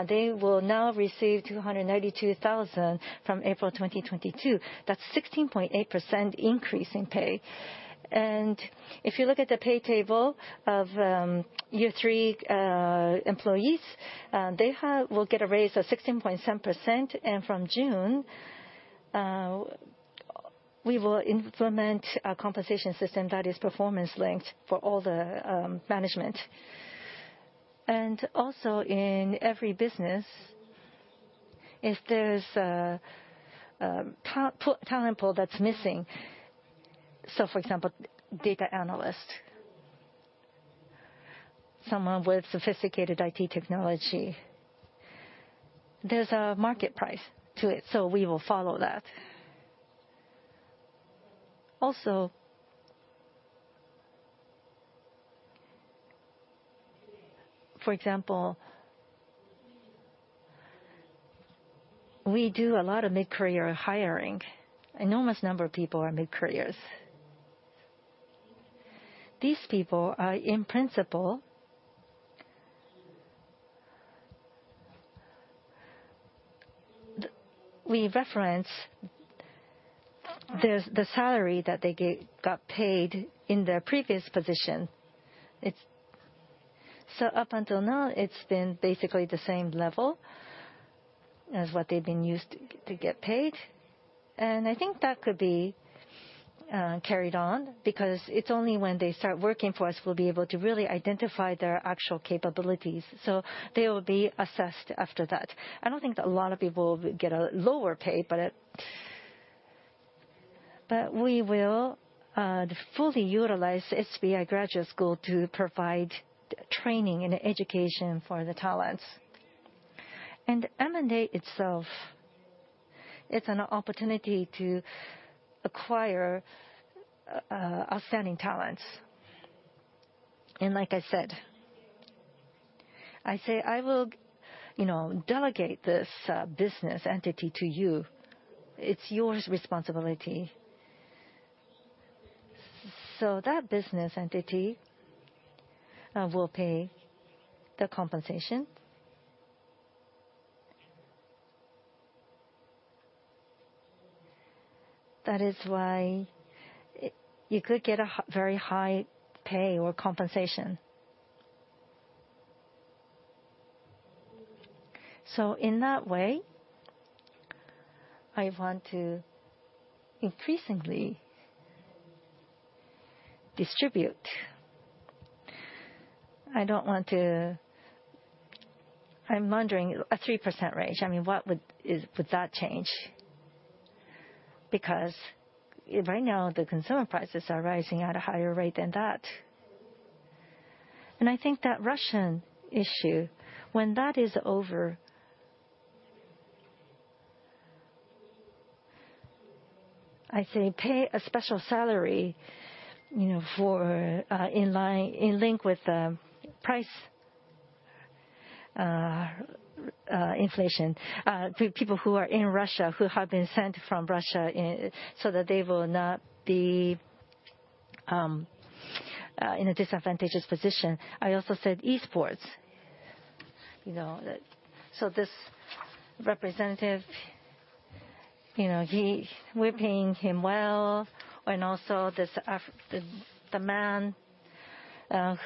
They will now receive 292,000 from April 2022. That's 16.8% Increase in pay. If you look at the pay table of year three employees, they will get a raise of 16.7%. From June, we will implement a compensation system that is performance-linked for all the management. Also in every business, if there's a talent pool that's missing, so for example, data analyst, someone with sophisticated IT technology, there's a market price to it, so we will follow that. Also, for example, we do a lot of mid-career hiring. Enormous number of people are mid-careers. These people are in principle, we reference the salary that they got paid in their previous position. It's up until now, it's been basically the same level as what they've been used to to get paid. I think that could be carried on because it's only when they start working for us we'll be able to really identify their actual capabilities. They will be assessed after that. I don't think that a lot of people will get a lower pay, but we will fully utilize SBI Graduate School to provide training and education for the talents. M&A itself, it's an opportunity to acquire outstanding talents. Like I said, I say, "I will, you know, delegate this business entity to you. It's your responsibility." That business entity will pay the compensation. That is why you could get a very high pay or compensation. In that way, I want to increasingly distribute. I don't want to. I'm wondering a 3% range. I mean, what would that change? Because right now the consumer prices are rising at a higher rate than that. I think that Russian issue, when that is over, I say pay a special salary, you know, for, in line with price inflation to people who are in Russia, who have been sent to Russia, so that they will not be in a disadvantageous position. I also said e-Sports, you know. This representative, you know, we're paying him well, and also this the man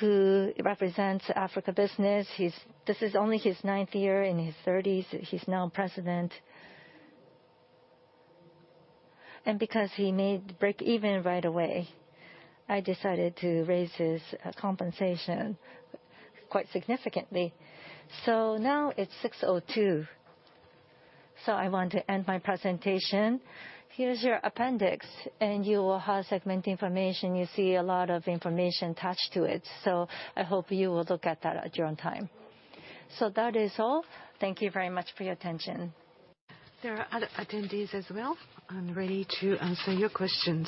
who represents Africa business, this is only his ninth year in his thirties. He's now president. Because he made breakeven right away, I decided to raise his compensation quite significantly. Now it's 6:02 P.M. So, I want to end my presentation. Here's your appendix, and you will have segment information. You see a lot of information attached to it, so I hope you will look at that at your own time. That is all. Thank you very much for your attention. There are other attendees as well. I'm ready to answer your questions.